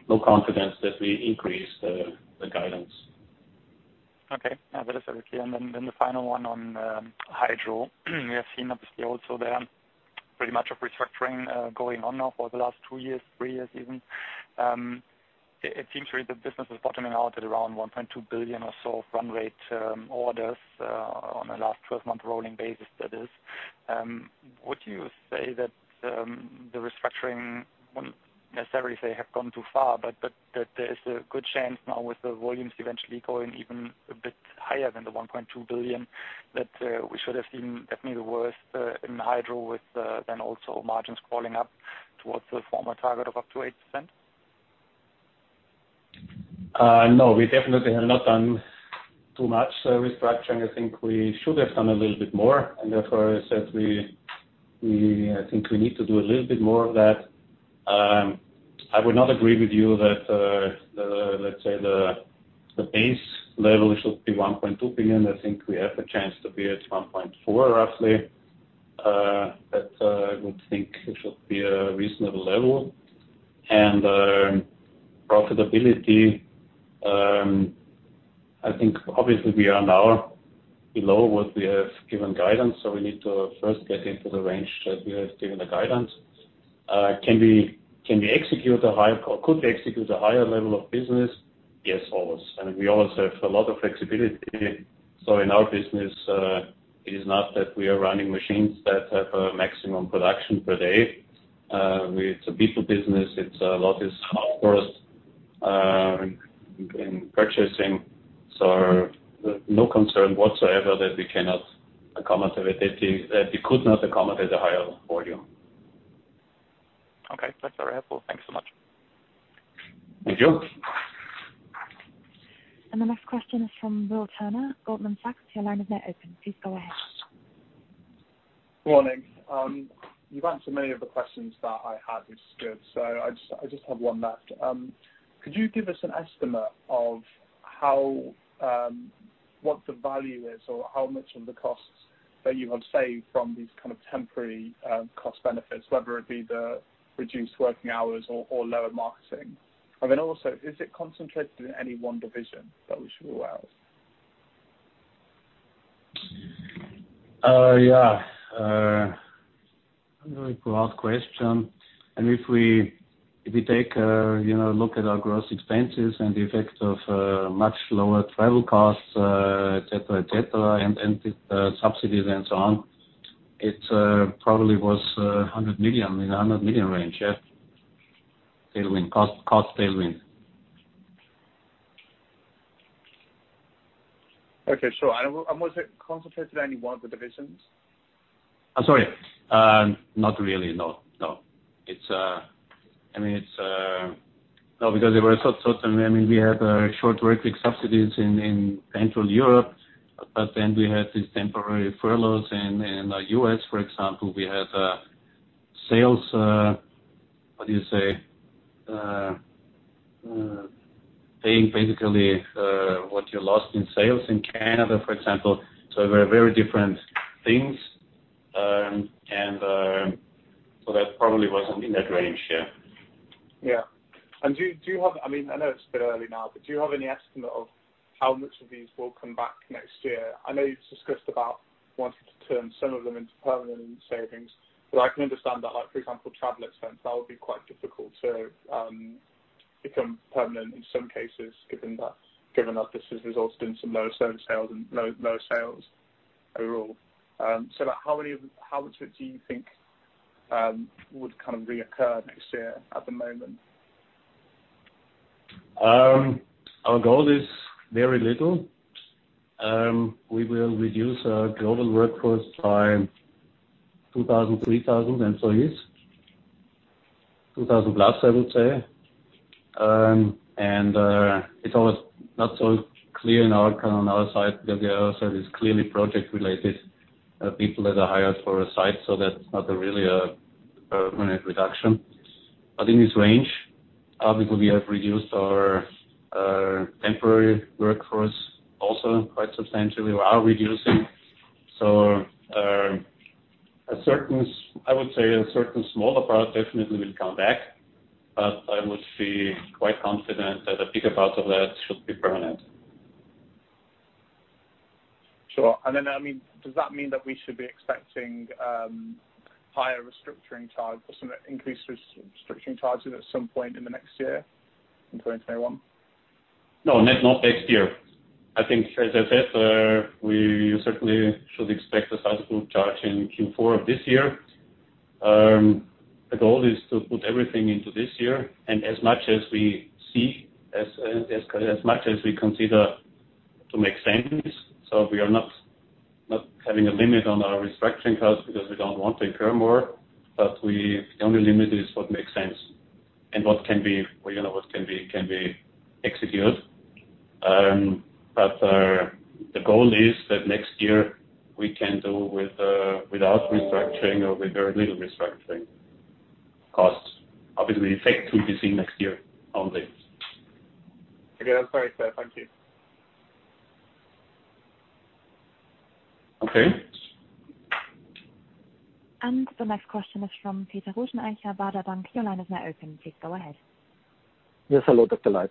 no confidence that we increase the guidance. Okay. That is clear. The final one on Hydropower. We have seen obviously also there pretty much of restructuring going on now for the last two years, three years even. It seems really the business is bottoming out at around 1.2 billion or so run rate orders on a last 12-month rolling basis, that is. Would you say that the restructuring wouldn't necessarily say have gone too far, but that there is a good chance now with the volumes eventually going even a bit higher than the 1.2 billion, that we should have seen definitely the worst in Hydropower with then also margins crawling up towards the former target of up to 8%? No, we definitely have not done too much restructuring. I think we should have done a little bit more. Therefore, I think we need to do a little bit more of that. I would not agree with you that, let's say, the base level should be 1.2 billion. I think we have a chance to be at 1.4 billion roughly. That I would think it should be a reasonable level. Profitability, I think obviously, we are now below what we have given guidance, so we need to first get into the range that we have given the guidance. Can we execute a higher level of business? Yes, always. We always have a lot of flexibility. In our business, it is not that we are running machines that have a maximum production per day. It's a people business. A lot is outsourced in purchasing. No concern whatsoever that we could not accommodate a higher volume. Okay. That's very helpful. Thank you so much. Thank you. The next question is from Will Turner, Goldman Sachs. Your line is now open. Please go ahead. Good morning. You've answered many of the questions that I had, which is good. I just have one left. Could you give us an estimate of what the value is or how much of the costs that you have saved from these kind of temporary cost benefits, whether it be the reduced working hours or lower marketing? Also, is it concentrated in any one division that we should rule out? Yeah. A very broad question. If we take a look at our gross expenses and the effect of much lower travel costs, et cetera, and subsidies and so on, it probably was in the 100 million range, yeah. Cost tailwind. Okay. Sure. Was it concentrated on any one of the divisions? I'm sorry. Not really, no. We had short work week subsidies in Central Europe, we had these temporary furloughs in the U.S., for example, we had sales, what do you say? Paying, basically, what you lost in sales in Canada, for example. They were very different things. That probably wasn't in that range. Yeah. I know it's a bit early now, do you have any estimate of how much of these will come back next year? I know you've discussed about wanting to turn some of them into permanent savings, I can understand that, for example, travel expense, that would be quite difficult to become permanent in some cases, given that this has resulted in some low sales overall. How much of it do you think would reoccur next year, at the moment? Our goal is very little. We will reduce our global workforce by 2,000, 3,000 employees. 2,000+, I would say. It's always not so clear on our side, because we also have these clearly project-related people that are hired for a site, so that's not really a permanent reduction. In this range, obviously we have reduced our temporary workforce also quite substantially. We are reducing. I would say a certain smaller part definitely will come back, but I would feel quite confident that a bigger part of that should be permanent. Does that mean that we should be expecting higher restructuring charges or some increased restructuring charges at some point in the next year, in 2021? No, not next year. I think, as I said, we certainly should expect a sizable charge in Q4 of this year. Our goal is to put everything into this year, and as much as we see, as much as we consider to make sense. We are not having a limit on our restructuring costs because we don't want to incur more, but the only limit is what makes sense and what can be executed. The goal is that next year we can do without restructuring or with very little restructuring costs. Obviously, the effect will be seen next year on this. Okay. That's very clear. Thank you. Okay. The next question is from Peter Rothenaicher, Baader Bank. Your line is now open. Please go ahead. Yes, hello. Good day.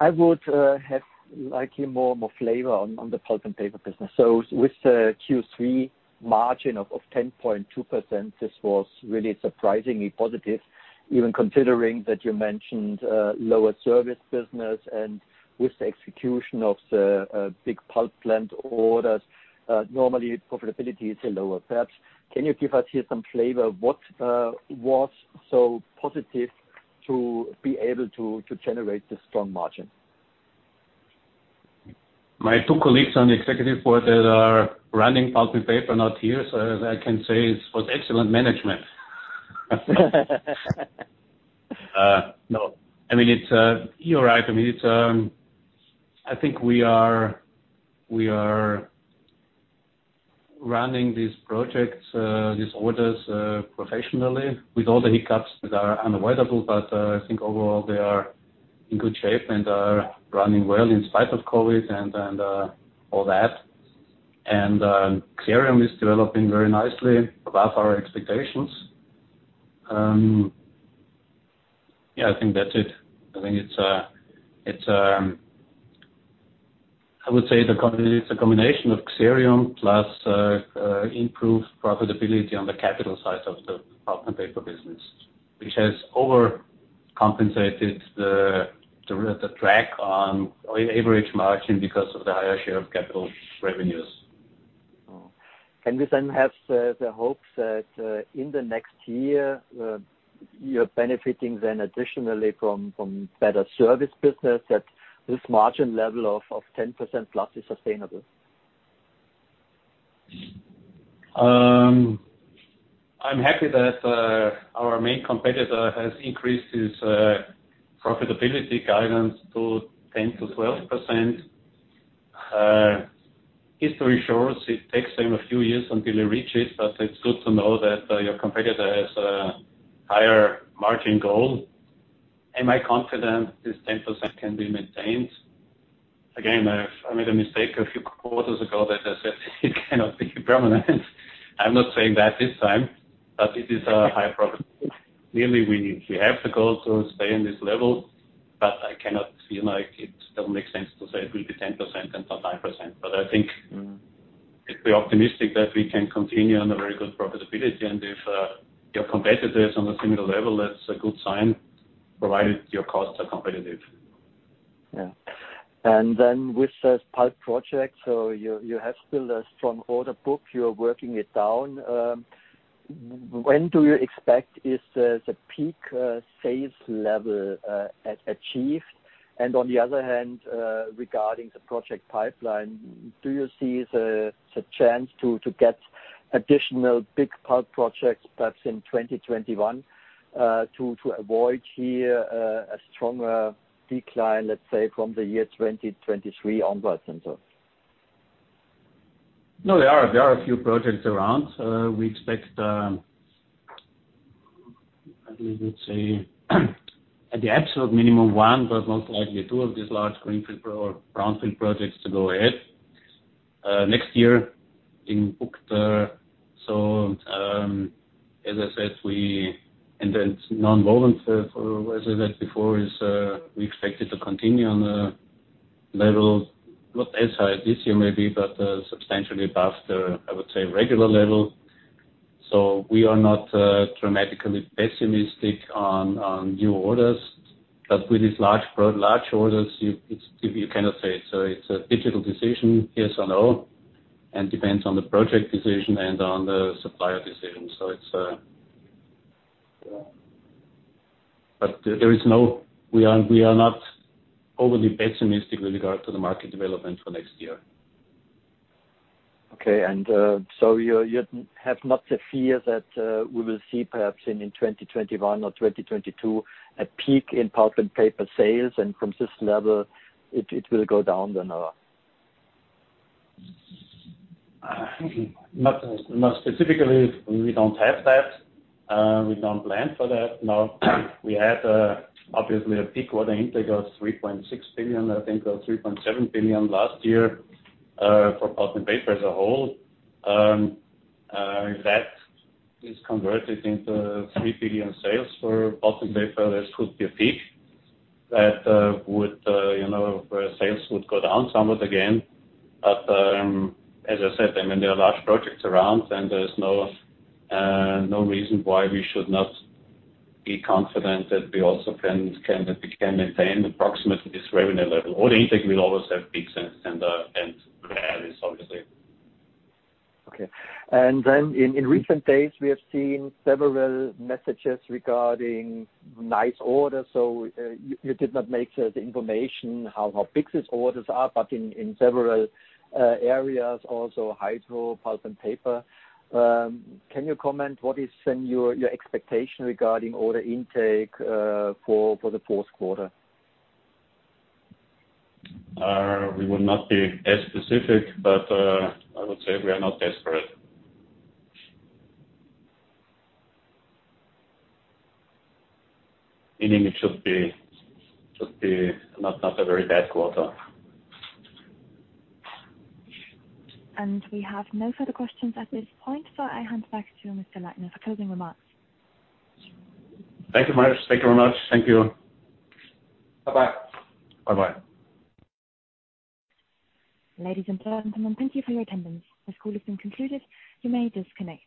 I would have likely more flavor on the Pulp & Paper business. With the Q3 margin of 10.2%, this was really surprisingly positive, even considering that you mentioned lower service business and with the execution of the big pulp plant orders, normally profitability is lower. Perhaps can you give us here some flavor what was so positive to be able to generate this strong margin? My two colleagues on the executive board that are running Pulp & Paper are not here, so all I can say is it was excellent management. No. You are right. I think we are running these projects, these orders, professionally with all the hiccups that are unavoidable. I think overall they are in good shape and are running well in spite of COVID and all that. Xerium is developing very nicely, above our expectations. Yeah, I think that's it. I would say it's a combination of Xerium plus improved profitability on the capital side of the Pulp & Paper business, which has overcompensated the drag on average margin because of the higher share of capital revenues. Can we then have the hopes that in the next year, you're benefiting then additionally from better service business, that this margin level of 10%-plus is sustainable? I'm happy that our main competitor has increased his profitability guidance to 10%-12%. History shows it takes them a few years until they reach it's good to know that your competitor has a higher margin goal. Am I confident this 10% can be maintained? Again, I made a mistake a few quarters ago that I said it cannot be permanent. I'm not saying that this time, but it is a high probability. Clearly, we have the goal to stay in this level, but I cannot feel like it doesn't make sense to say it will be 10% and not 9%. I think it'd be optimistic that we can continue on a very good profitability. If your competitor is on a similar level, that's a good sign, provided your costs are competitive. Yeah. With the pulp project, you have still a strong order book, you are working it down. When do you expect is the peak sales level achieved? On the other hand, regarding the project pipeline, do you see the chance to get additional big pulp projects perhaps in 2021, to avoid here a stronger decline, let's say, from the year 2023 onwards and so on? No, there are a few projects around. We expect, let's say, at the absolute minimum one, but most likely two of these large greenfield or brownfield projects to go ahead next year being booked. As I said, nonwoven, as I said before, is we expect it to continue on a level, not as high as this year maybe, but substantially above the, I would say, regular level. We are not dramatically pessimistic on new orders. With these large orders, you cannot say. It's a digital decision, yes or no, and depends on the project decision and on the supplier decision. We are not overly pessimistic with regard to the market development for next year. Okay. You have not the fear that we will see perhaps in 2021 or 2022 a peak in Pulp & Paper sales, and from this level it will go down then? No. Specifically, we don't have that. We don't plan for that, no. We had obviously a peak order intake of 3.6 billion, I think, or 3.7 billion last year, for Pulp & Paper as a whole. If that is converted into 3 billion sales for Pulp & Paper, this could be a peak where sales would go down somewhat again. As I said, there are large projects around and there's no reason why we should not be confident that we also can maintain approximately this revenue level. Order intake will always have peaks and valleys, obviously. In recent days, we have seen several messages regarding nice orders. You did not make the information how big these orders are, but in several areas, also hydro, Pulp & Paper. Can you comment what is then your expectation regarding order intake for the fourth quarter? We will not be as specific, but I would say we are not desperate. Meaning it should be not a very bad quarter. We have no further questions at this point. I hand back to you, Mr. Leitner, for closing remarks. Thank you much. Thank you very much. Thank you. Bye-bye. Bye-bye. Ladies and gentlemen, thank you for your attendance. This call has been concluded. You may disconnect.